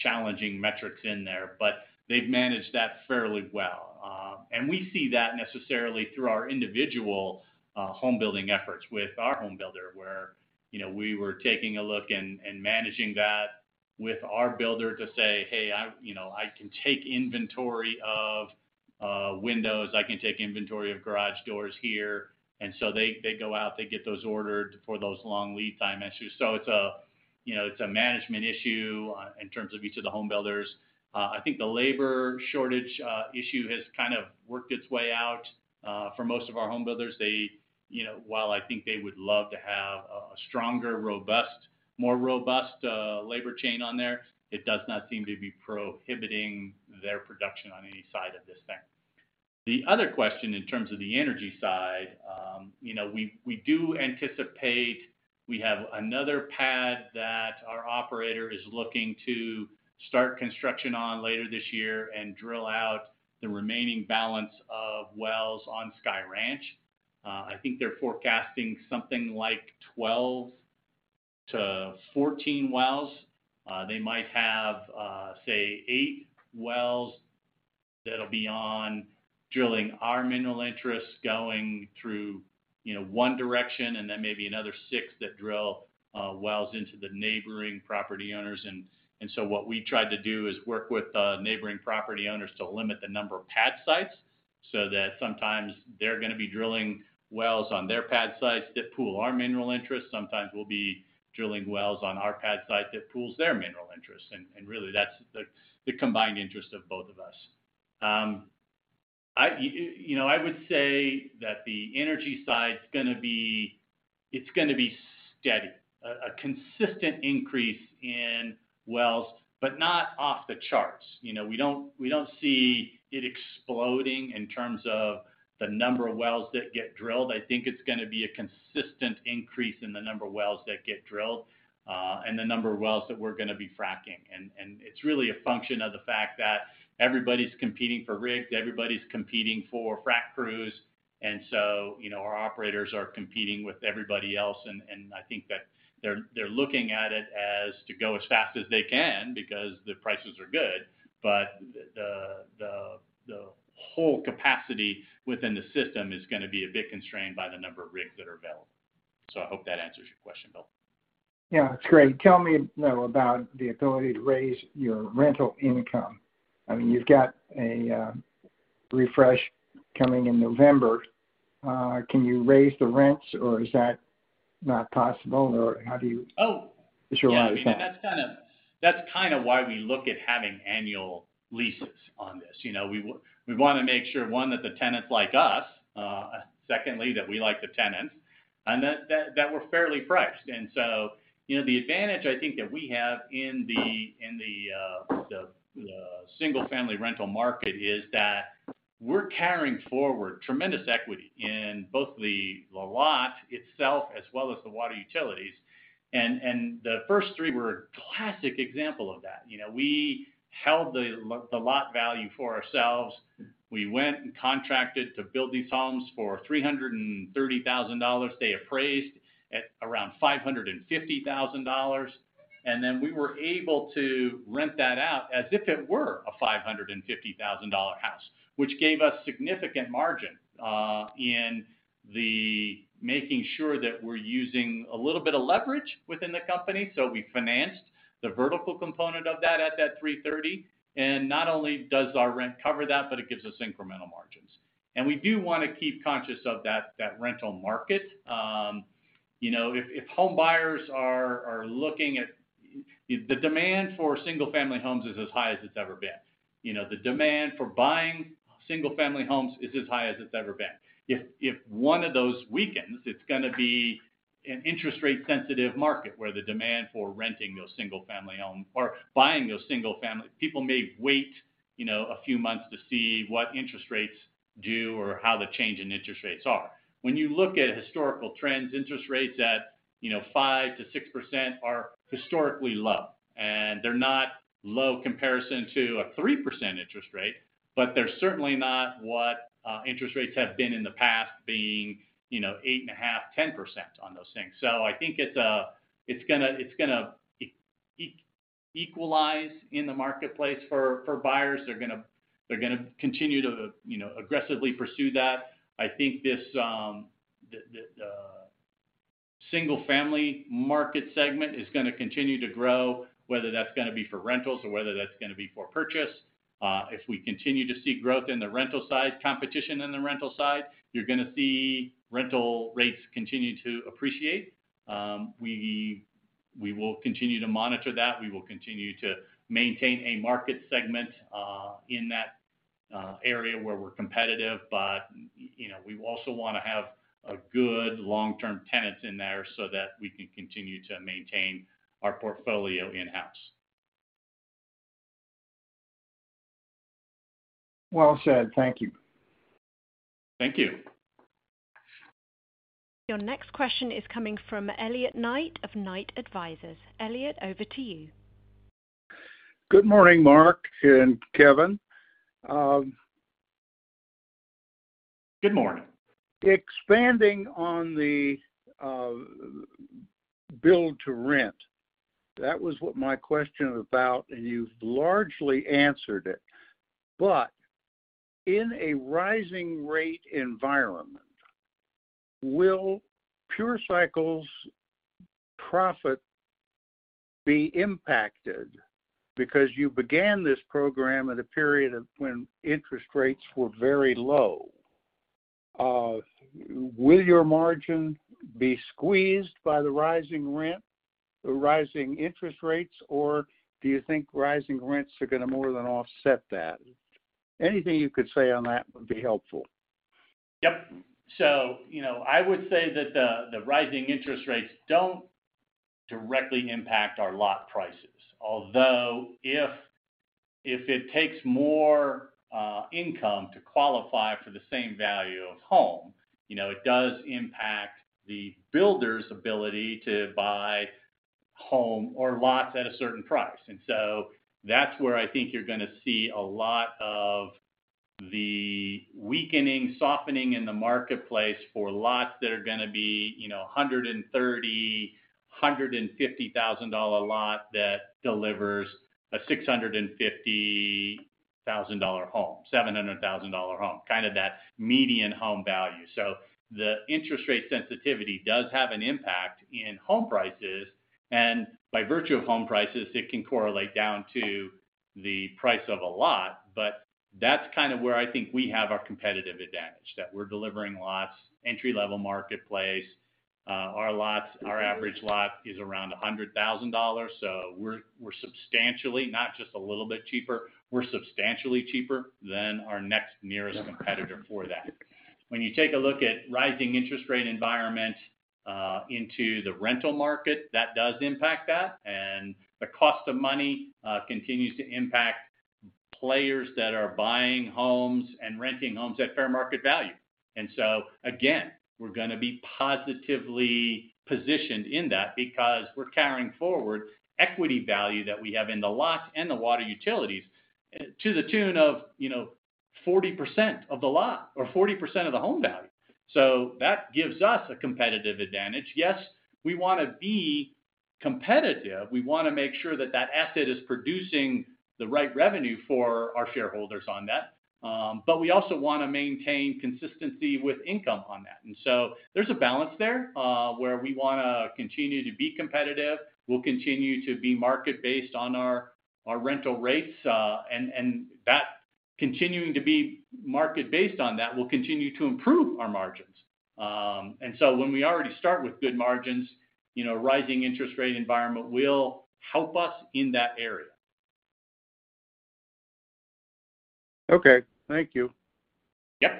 challenging metrics in there, but they've managed that fairly well. And we see that necessarily through our individual home building efforts with our home builder, where, you know, we were taking a look and managing that with our builder to say, "Hey, you know, I can take inventory of windows. I can take inventory of garage doors here." They go out, they get those ordered for those long lead time issues. It's a, you know, management issue in terms of each of the home builders. I think the labor shortage issue has kind of worked its way out for most of our home builders. They, you know, while I think they would love to have a stronger, more robust labor chain there, it does not seem to be prohibiting their production on any side of this thing. The other question in terms of the energy side, you know, we do anticipate we have another pad that our operator is looking to start construction on later this year and drill out the remaining balance of wells on Sky Ranch. I think they're forecasting something like 12-14 wells. They might have, say 8 wells that'll be on drilling our mineral interests going through, you know, one direction and then maybe another 6 that drill wells into the neighboring property owners. So what we tried to do is work with the neighboring property owners to limit the number of pad sites so that sometimes they're gonna be drilling wells on their pad sites that pool our mineral interests. Sometimes we'll be drilling wells on our pad site that pools their mineral interests, and really that's the combined interest of both of us. You know, I would say that the energy side's gonna be, it's gonna be steady. A consistent increase in wells, but not off the charts. You know, we don't see it exploding in terms of the number of wells that get drilled. I think it's gonna be a consistent increase in the number of wells that get drilled, and the number of wells that we're gonna be fracking. It's really a function of the fact that everybody's competing for rigs, everybody's competing for frack crews, and so, you know, our operators are competing with everybody else. I think that they're looking at it as to go as fast as they can because the prices are good. The whole capacity within the system is gonna be a bit constrained by the number of rigs that are available. I hope that answers your question, Bill. Yeah, that's great. Tell me, though, about the ability to raise your rental income. I mean, you've got a refresh coming in November. Can you raise the rents or is that not possible or how do you? Oh. Assure all your tenants? Yeah, that's kinda why we look at having annual leases on this, you know? We wanna make sure, one, that the tenants like us, secondly, that we like the tenants, and that we're fairly priced. You know, the advantage I think that we have in the single-family rental market is that we're carrying forward tremendous equity in both the lot itself as well as the water utilities. The first three were a classic example of that. You know, we held the lot value for ourselves. We went and contracted to build these homes for $330,000. They appraised at around $550,000. We were able to rent that out as if it were a $550,000 house, which gave us significant margin in the making sure that we're using a little bit of leverage within the company. We financed the vertical component of that at that 3.30. Not only does our rent cover that, but it gives us incremental margins. We do wanna keep conscious of that rental market. You know, the demand for single-family homes is as high as it's ever been. You know, the demand for buying single-family homes is as high as it's ever been. If one of those weakens, it's gonna be an interest rate sensitive market, where the demand for renting those single-family home or buying those single-family. People may wait, you know, a few months to see what interest rates do or how the change in interest rates are. When you look at historical trends, interest rates at, you know, 5%-6% are historically low. They're not low comparison to a 3% interest rate, but they're certainly not what interest rates have been in the past, being, you know, 8.5%, 10% on those things. I think it's gonna equalize in the marketplace for buyers. They're gonna continue to, you know, aggressively pursue that. I think the single family market segment is gonna continue to grow, whether that's gonna be for rentals or whether that's gonna be for purchase. If we continue to see growth in the rental side, competition in the rental side, you're gonna see rental rates continue to appreciate. We will continue to monitor that. We will continue to maintain a market segment in that area where we're competitive. You know, we also wanna have a good long-term tenants in there so that we can continue to maintain our portfolio in-house. Well said. Thank you. Thank you. Your next question is coming from Elliot Knight of Knight Advisors. Elliot, over to you. Good morning, Mark and Kevin. Good morning. Expanding on the build to rent, that was what my question was about, and you've largely answered it. In a rising rate environment, will Pure Cycle's profit be impacted? Because you began this program at a period of when interest rates were very low. Will your margin be squeezed by the rising rent, the rising interest rates, or do you think rising rents are gonna more than offset that? Anything you could say on that would be helpful. Yep. You know, I would say that the rising interest rates don't directly impact our lot prices. Although if it takes more income to qualify for the same value of home, you know, it does impact the builder's ability to buy homes or lots at a certain price. That's where I think you're gonna see a lot of the weakening, softening in the marketplace for lots that are gonna be, you know, a $130,000 -$150, 000 lot that delivers a $650,000 home, $700,000 home, kind of that median home value. The interest rate sensitivity does have an impact on home prices. By virtue of home prices, it can correlate down to the price of a lot. That's kind of where I think we have our competitive advantage, that we're delivering lots, entry-level marketplace. Our lots, our average lot is around $100,000, so we're substantially, not just a little bit cheaper, we're substantially cheaper than our next nearest competitor for that. When you take a look at rising interest rate environment into the rental market, that does impact that. The cost of money continues to impact players that are buying homes and renting homes at fair market value. Again, we're gonna be positively positioned in that because we're carrying forward equity value that we have in the lots and the water utilities to the tune of, you know, 40% of the lot or 40% of the home value. That gives us a competitive advantage. Yes, we wanna be competitive. We wanna make sure that that asset is producing the right revenue for our shareholders on that. We also wanna maintain consistency with income on that. There's a balance there, where we wanna continue to be competitive. We'll continue to be market-based on our rental rates, and that continuing to be market based on that will continue to improve our margins. When we already start with good margins, you know, rising interest rate environment will help us in that area. Okay. Thank you. Yep.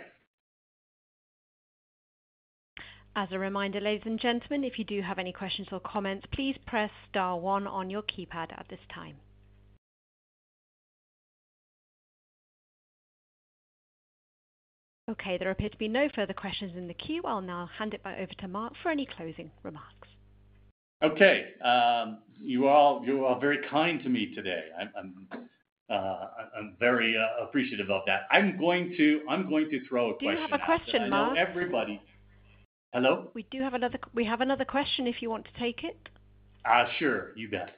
As a reminder, ladies and gentlemen, if you do have any questions or comments, please press star one on your keypad at this time. Okay, there appear to be no further questions in the queue. I'll now hand it back over to Mark for any closing remarks. Okay. You all very kind to me today. I'm very appreciative of that. I'm going to throw a question out there. We have a question, Mark? I know everybody. Hello? We have another question if you want to take it. Sure. You bet.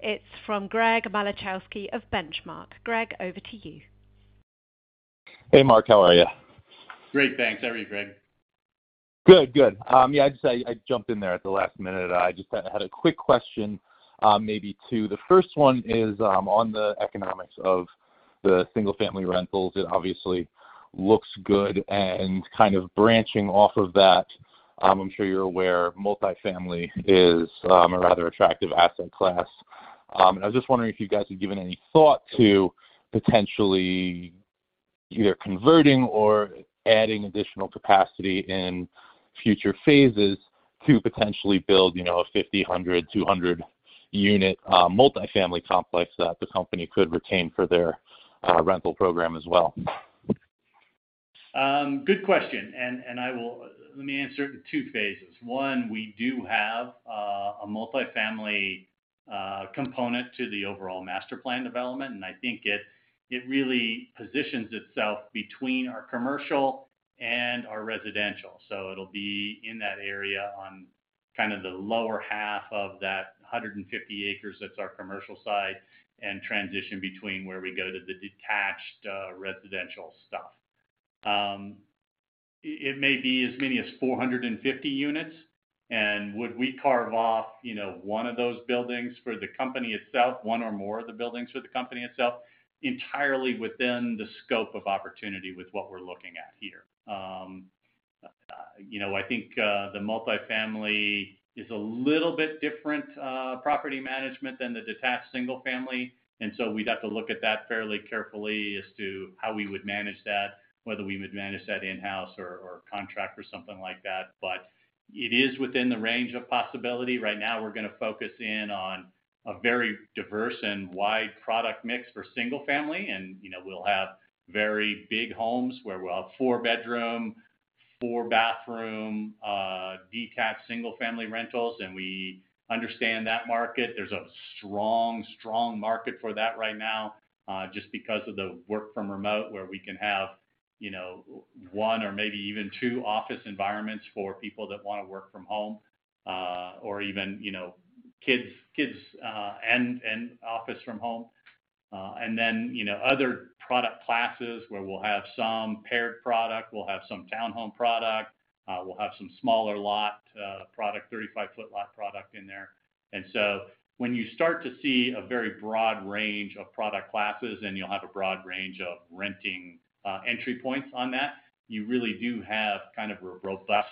It's from Greg Malachowski of Benchmark. Greg, over to you. Hey, Mark. How are you? Great, thanks. How are you, Greg? Good. Good. Yeah, I'd say I jumped in there at the last minute. I just had a quick question, maybe two. The first one is on the economics of the single-family rentals. It obviously looks good, and kind of branching off of that, I'm sure you're aware multifamily is a rather attractive asset class. I was just wondering if you guys had given any thought to potentially either converting or adding additional capacity in future phases to potentially build, you know, a 50, 100, 200 unit multifamily complex that the company could retain for their rental program as well. Good question. Let me answer it in two phases. One, we do have a multifamily component to the overall master plan development, and I think it really positions itself between our commercial and our residential. It'll be in that area on kind of the lower half of that 150 acres that's our commercial side and transition between where we go to the detached residential stuff. It may be as many as 450 units. Would we carve off, you know, one of those buildings for the company itself, one or more of the buildings for the company itself? Entirely within the scope of opportunity with what we're looking at here. You know, I think the multifamily is a little bit different property management than the detached single family. We'd have to look at that fairly carefully as to how we would manage that, whether we would manage that in-house or contract or something like that. It is within the range of possibility. Right now, we're gonna focus in on a very diverse and wide product mix for single family and, you know, we'll have very big homes where we'll have four bedroom, four bathroom, detached single family rentals, and we understand that market. There's a strong market for that right now, just because of the work from home, where we can have, you know, one or maybe even two office environments for people that wanna work from home, or even, you know, kids, and office from home. You know, other product classes where we'll have some paired product, we'll have some town home product, we'll have some smaller lot product, 35-foot lot product in there. When you start to see a very broad range of product classes and you'll have a broad range of rental entry points on that, you really do have kind of a robust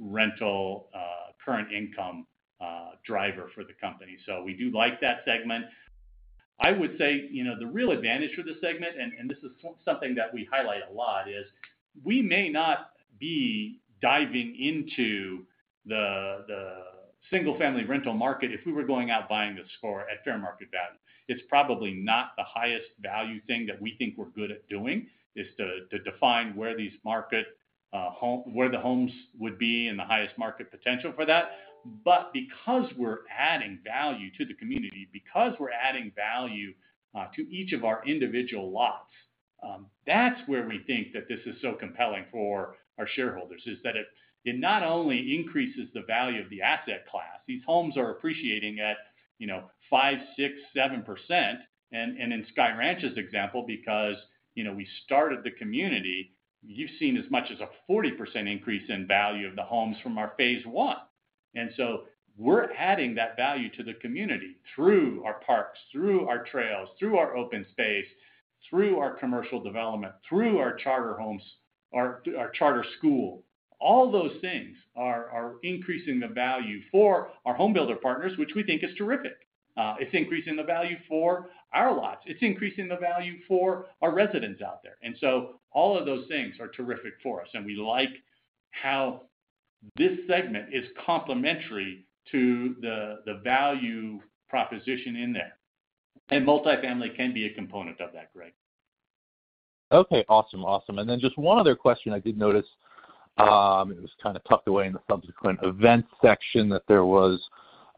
rental current income driver for the company. We do like that segment. I would say, you know, the real advantage for this segment, and this is something that we highlight a lot, is we may not be diving into the single-family rental market if we were going out buying this at fair market value. It's probably not the highest value thing that we think we're good at doing, is to define where the homes would be and the highest market potential for that. Because we're adding value to the community, because we're adding value to each of our individual lots, that's where we think that this is so compelling for our shareholders, is that it not only increases the value of the asset class. These homes are appreciating at, you know, 5%, 6%, 7%. In Sky Ranch's example, because, you know, we started the community, you've seen as much as a 40% increase in value of the homes from our phase one. We're adding that value to the community through our parks, through our trails, through our open space, through our commercial development, through our charter homes, our charter school. All those things are increasing the value for our home builder partners, which we think is terrific. It's increasing the value for our lots. It's increasing the value for our residents out there. All of those things are terrific for us. We like how this segment is complementary to the value proposition in there. Multifamily can be a component of that, Greg. Okay, awesome. Then just one other question I did notice, it was kind of tucked away in the subsequent events section that there was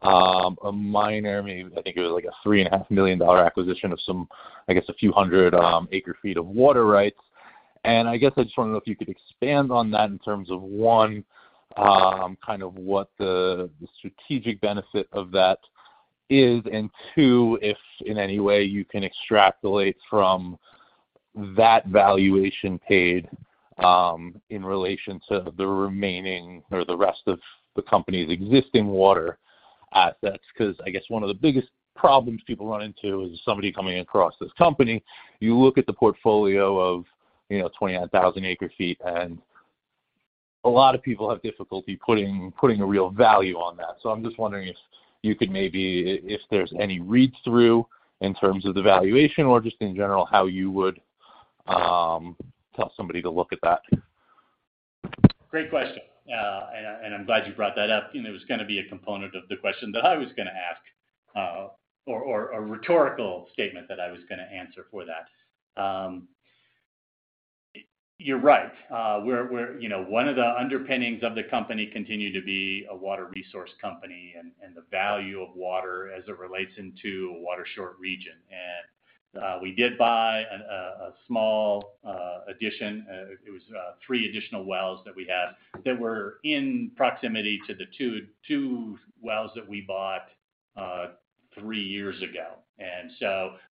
a minor, maybe I think it was like a $3.5 million acquisition of some, I guess, a few hundred acre feet of water rights. I guess I just want to know if you could expand on that in terms of one, kind of what the strategic benefit of that is, and two, if in any way you can extrapolate from that valuation paid in relation to the remaining or the rest of the company's existing water assets. Because I guess one of the biggest problems people run into is somebody coming across this company, you look at the portfolio of 29,000 acre-ft, and a lot of people have difficulty putting a real value on that. I'm just wondering if you could maybe, if there's any read through in terms of the valuation or just in general how you would tell somebody to look at that. Great question. I'm glad you brought that up. It was going to be a component of the question that I was going to ask or a rhetorical statement that I was going to answer for that. You're right. One of the underpinnings of the company continued to be a water resource company and the value of water as it relates into a water short region. We did buy a small addition. It was three additional wells that we had that were in proximity to the two wells that we bought three years ago.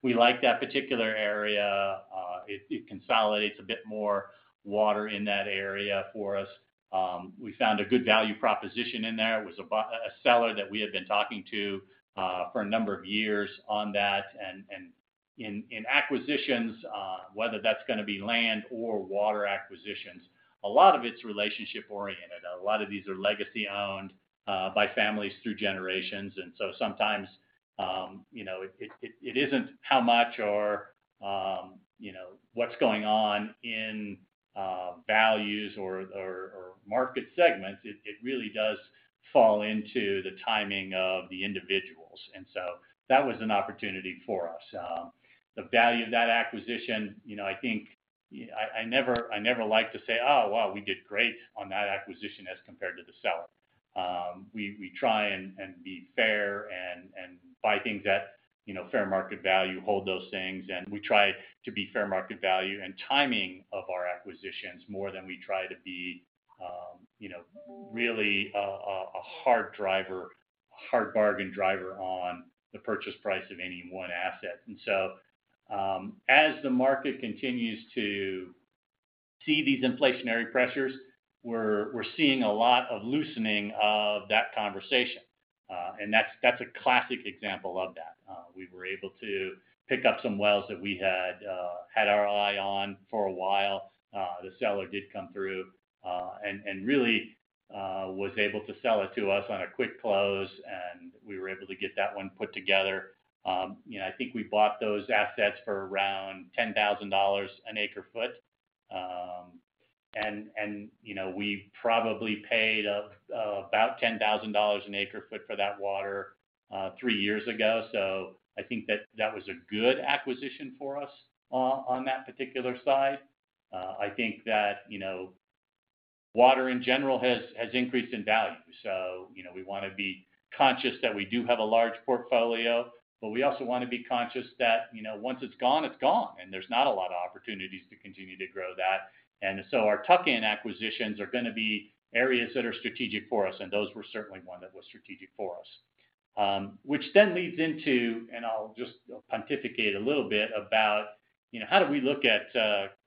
We like that particular area. It consolidates a bit more water in that area for us. We found a good value proposition in there. It was a seller that we had been talking to for a number of years on that. In acquisitions, whether that's going to be land or water acquisitions, a lot of it's relationship oriented. A lot of these are legacy owned by families through generations. Sometimes it isn't how much or what's going on in values or market segments. It really does fall into the timing of the individuals. That was an opportunity for us. The value of that acquisition, I think I never like to say, oh, wow, we did great on that acquisition as compared to the seller. We try and be fair and buy things at fair market value, hold those things. We try to be fair market value and timing of our acquisitions more than we try to be really a hard driver, hard bargain driver on the purchase price of any one asset. As the market continues to see these inflationary pressures, we're seeing a lot of loosening of that conversation. That's a classic example of that. We were able to pick up some wells that we had our eye on for a while. The seller did come through and really was able to sell it to us on a quick close. We were able to get that one put together. I think we bought those assets for around $10,000 an acre foot. We probably paid about $10,000 an acre foot for that water three years ago. I think that was a good acquisition for us on that particular side. I think that water in general has increased in value. We want to be conscious that we do have a large portfolio, but we also want to be conscious that once it's gone, it's gone. There's not a lot of opportunities to continue to grow that. Our tuck-in acquisitions are going to be areas that are strategic for us. Those were certainly one that was strategic for us, which then leads into, and I'll just pontificate a little bit about how do we look at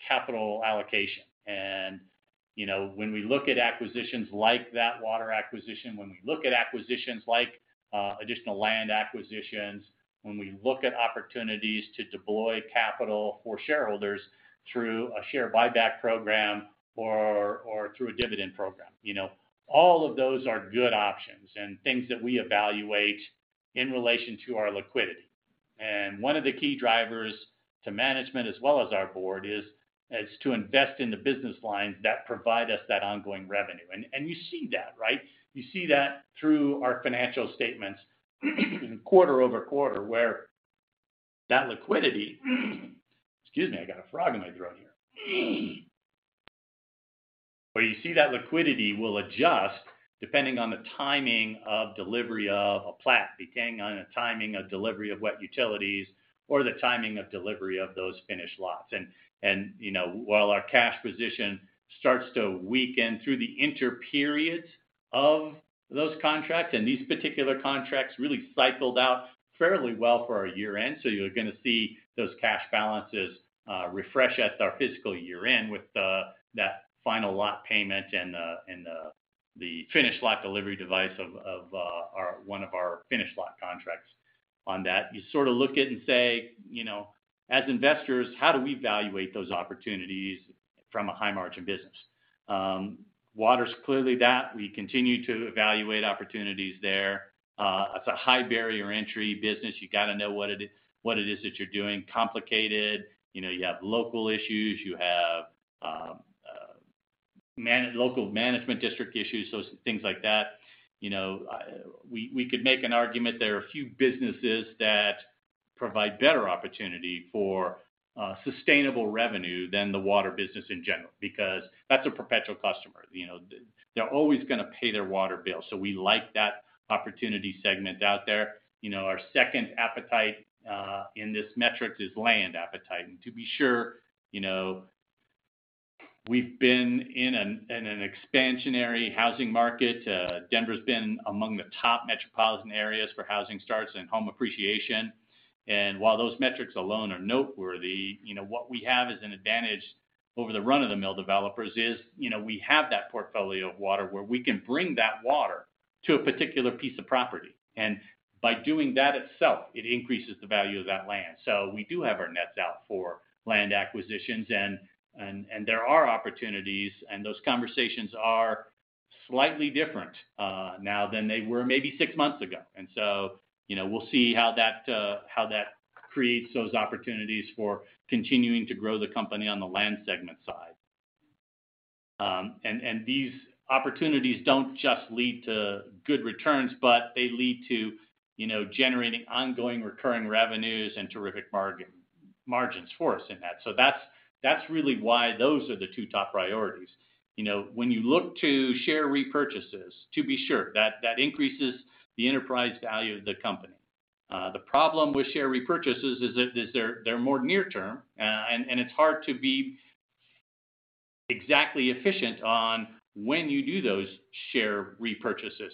capital allocation? When we look at acquisitions like that water acquisition, when we look at acquisitions like additional land acquisitions, when we look at opportunities to deploy capital for shareholders through a share buyback program or through a dividend program, all of those are good options and things that we evaluate in relation to our liquidity. One of the key drivers to management as well as our board is to invest in the business lines that provide us that ongoing revenue. You see that, right? You see that through our financial statements quarter over quarter, excuse me, I got a frog in my throat here, where you see that liquidity will adjust depending on the timing of delivery of a plat, depending on the timing of delivery of wet utilities or the timing of delivery of those finished lots. While our cash position starts to weaken through the interim periods of those contracts, and these particular contracts really cycled out fairly well for our year end. You're going to see those cash balances refresh at our fiscal year end with that final lot payment and the finished lot delivery date of one of our finished lot contracts. On that, you sort of look at and say, you know, as investors, how do we evaluate those opportunities from a high margin business? Water is clearly that. We continue to evaluate opportunities there. It's a high barrier entry business. You got to know what it is that you're doing. Complicated. You know, you have local issues. You have local management district issues, so things like that. You know, we could make an argument there are a few businesses that provide better opportunity for sustainable revenue than the water business in general, because that's a perpetual customer. You know, they're always gonna pay their water bill. So we like that opportunity segment out there. You know, our second appetite in this metric is land appetite. To be sure, you know, we've been in an expansionary housing market. Denver's been among the top metropolitan areas for housing starts and home appreciation. While those metrics alone are noteworthy, you know, what we have as an advantage over the run-of-the-mill developers is, you know, we have that portfolio of water where we can bring that water to a particular piece of property. By doing that itself, it increases the value of that land. We do have our nets out for land acquisitions and there are opportunities, and those conversations are slightly different now than they were maybe six months ago. You know, we'll see how that creates those opportunities for continuing to grow the company on the land segment side. These opportunities don't just lead to good returns, but they lead to, you know, generating ongoing recurring revenues and terrific margins for us in that. That's really why those are the two top priorities. You know, when you look to share repurchases, to be sure that increases the enterprise value of the company. The problem with share repurchases is that they're more near term, and it's hard to be exactly efficient on when you do those share repurchases.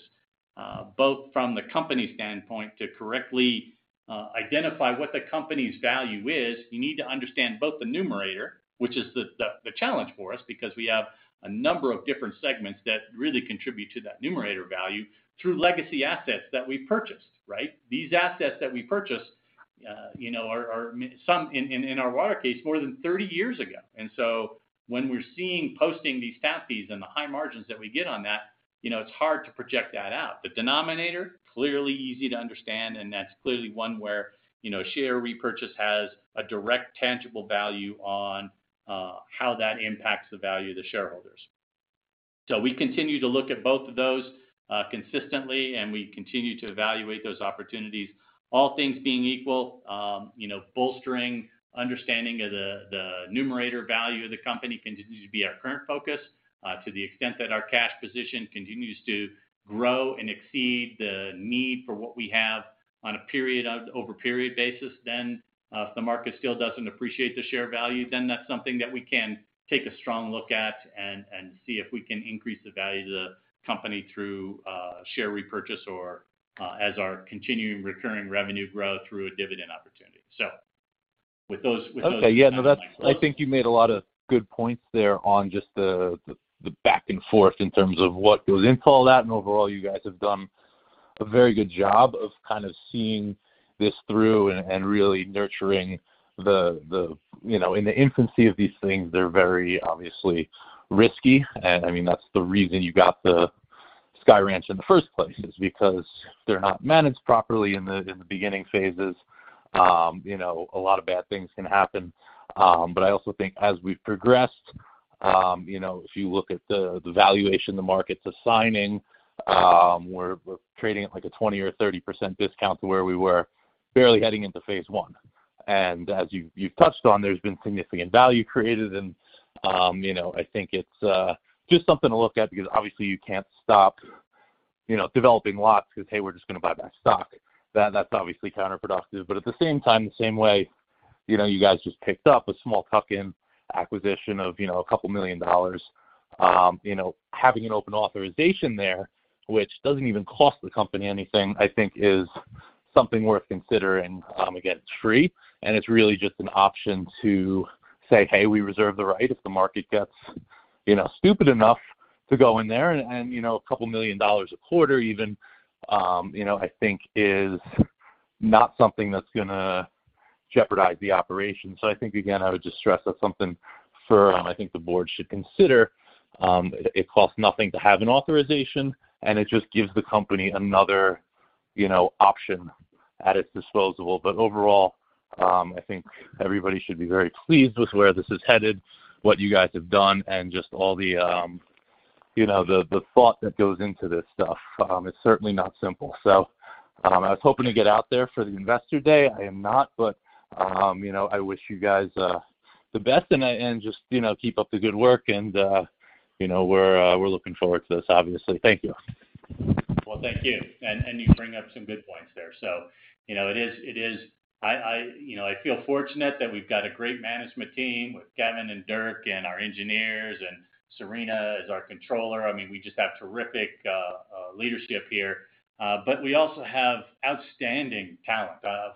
Both from the company standpoint to correctly identify what the company's value is, you need to understand both the numerator, which is the challenge for us because we have a number of different segments that really contribute to that numerator value through legacy assets that we purchased, right? These assets that we purchased, you know, are some in our water case more than 30 years ago. When we're seeing posting these TAP fees and the high margins that we get on that, you know, it's hard to project that out. The denominator, clearly easy to understand, and that's clearly one where, you know, share repurchase has a direct tangible value on, how that impacts the value of the shareholders. We continue to look at both of those, consistently, and we continue to evaluate those opportunities. All things being equal, you know, bolstering understanding of the numerator value of the company continues to be our current focus, to the extent that our cash position continues to grow and exceed the need for what we have on a period-over-period basis. If the market still doesn't appreciate the share value, then that's something that we can take a strong look at and see if we can increase the value to the company through, share repurchase or, as our continuing recurring revenue growth through a dividend opportunity. With those. Okay. Yeah, no, that's. I think you made a lot of good points there on just the back and forth in terms of what goes into all that. Overall, you guys have done a very good job of kind of seeing this through and really nurturing the, you know, in the infancy of these things, they're very obviously risky. I mean, that's the reason you got the Sky Ranch in the first place, is because they're not managed properly in the beginning phases, you know, a lot of bad things can happen. I also think as we've progressed, you know, if you look at the valuation the market's assigning, we're trading at like a 20% or 30% discount to where we were barely heading into phase one. As you've touched on, there's been significant value created and, you know, I think it's just something to look at because obviously you can't stop, you know, developing lots because, hey, we're just gonna buy back stock. That's obviously counterproductive. But at the same time, the same way, you know, you guys just picked up a small tuck-in acquisition of, you know, a couple million dollars. You know, having an open authorization there, which doesn't even cost the company anything, I think is something worth considering. Again, it's free, and it's really just an option to say, "Hey, we reserve the right if the market gets, you know, stupid enough to go in there." You know, couple million dollars a quarter even, you know, I think is not something that's gonna jeopardize the operation. I think, again, I would just stress that's something for, I think the board should consider. It costs nothing to have an authorization, and it just gives the company another, you know, option at its disposal. But overall, I think everybody should be very pleased with where this is headed, what you guys have done, and just all the, you know, the thought that goes into this stuff. It's certainly not simple. I was hoping to get out there for the Investor Day. I am not, but, you know, I wish you guys the best and just, you know, keep up the good work and, you know, we're looking forward to this, obviously. Thank you. Well, thank you. You bring up some good points there. You know, it is. I you know, I feel fortunate that we've got a great management team with Kevin and Dirk and our engineers and Serena as our controller. I mean, we just have terrific leadership here. We also have outstanding talent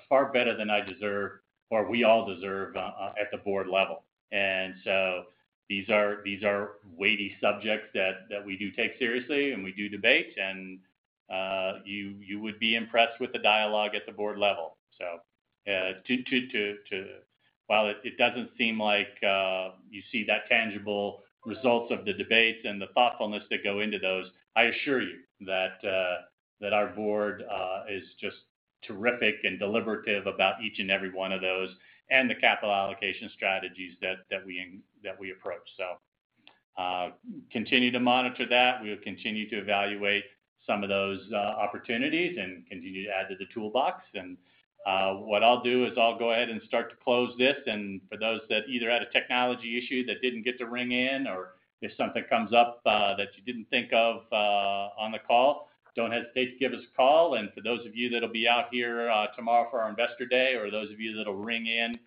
far better than I deserve or we all deserve at the board level. These are weighty subjects that we do take seriously and we do debate. You would be impressed with the dialogue at the board level. While it doesn't seem like you see the tangible results of the debates and the thoughtfulness that go into those, I assure you that our board is just terrific and deliberative about each and every one of those and the capital allocation strategies that we approach. Continue to monitor that. We'll continue to evaluate some of those opportunities and continue to add to the toolbox. What I'll do is I'll go ahead and start to close this. For those that either had a technology issue that didn't get to ring in or if something comes up that you didn't think of on the call, don't hesitate to give us a call. For those of you that'll be out here tomorrow for our Investor Day or those of you that'll ring in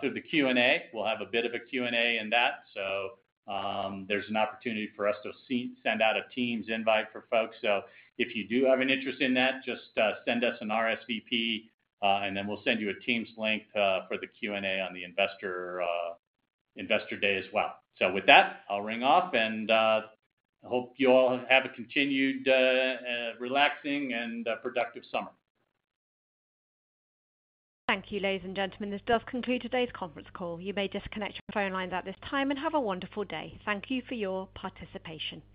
through the Q&A, we'll have a bit of a Q&A in that. There's an opportunity for us to send out a Teams invite for folks. If you do have an interest in that, just send us an RSVP, and then we'll send you a Teams link for the Q&A on the Investor Day as well. With that, I'll sign off, and I hope you all have a continued relaxing and a productive summer. Thank you, ladies and gentlemen. This does conclude today's conference call. You may disconnect your phone lines at this time and have a wonderful day. Thank you for your participation. Thank you.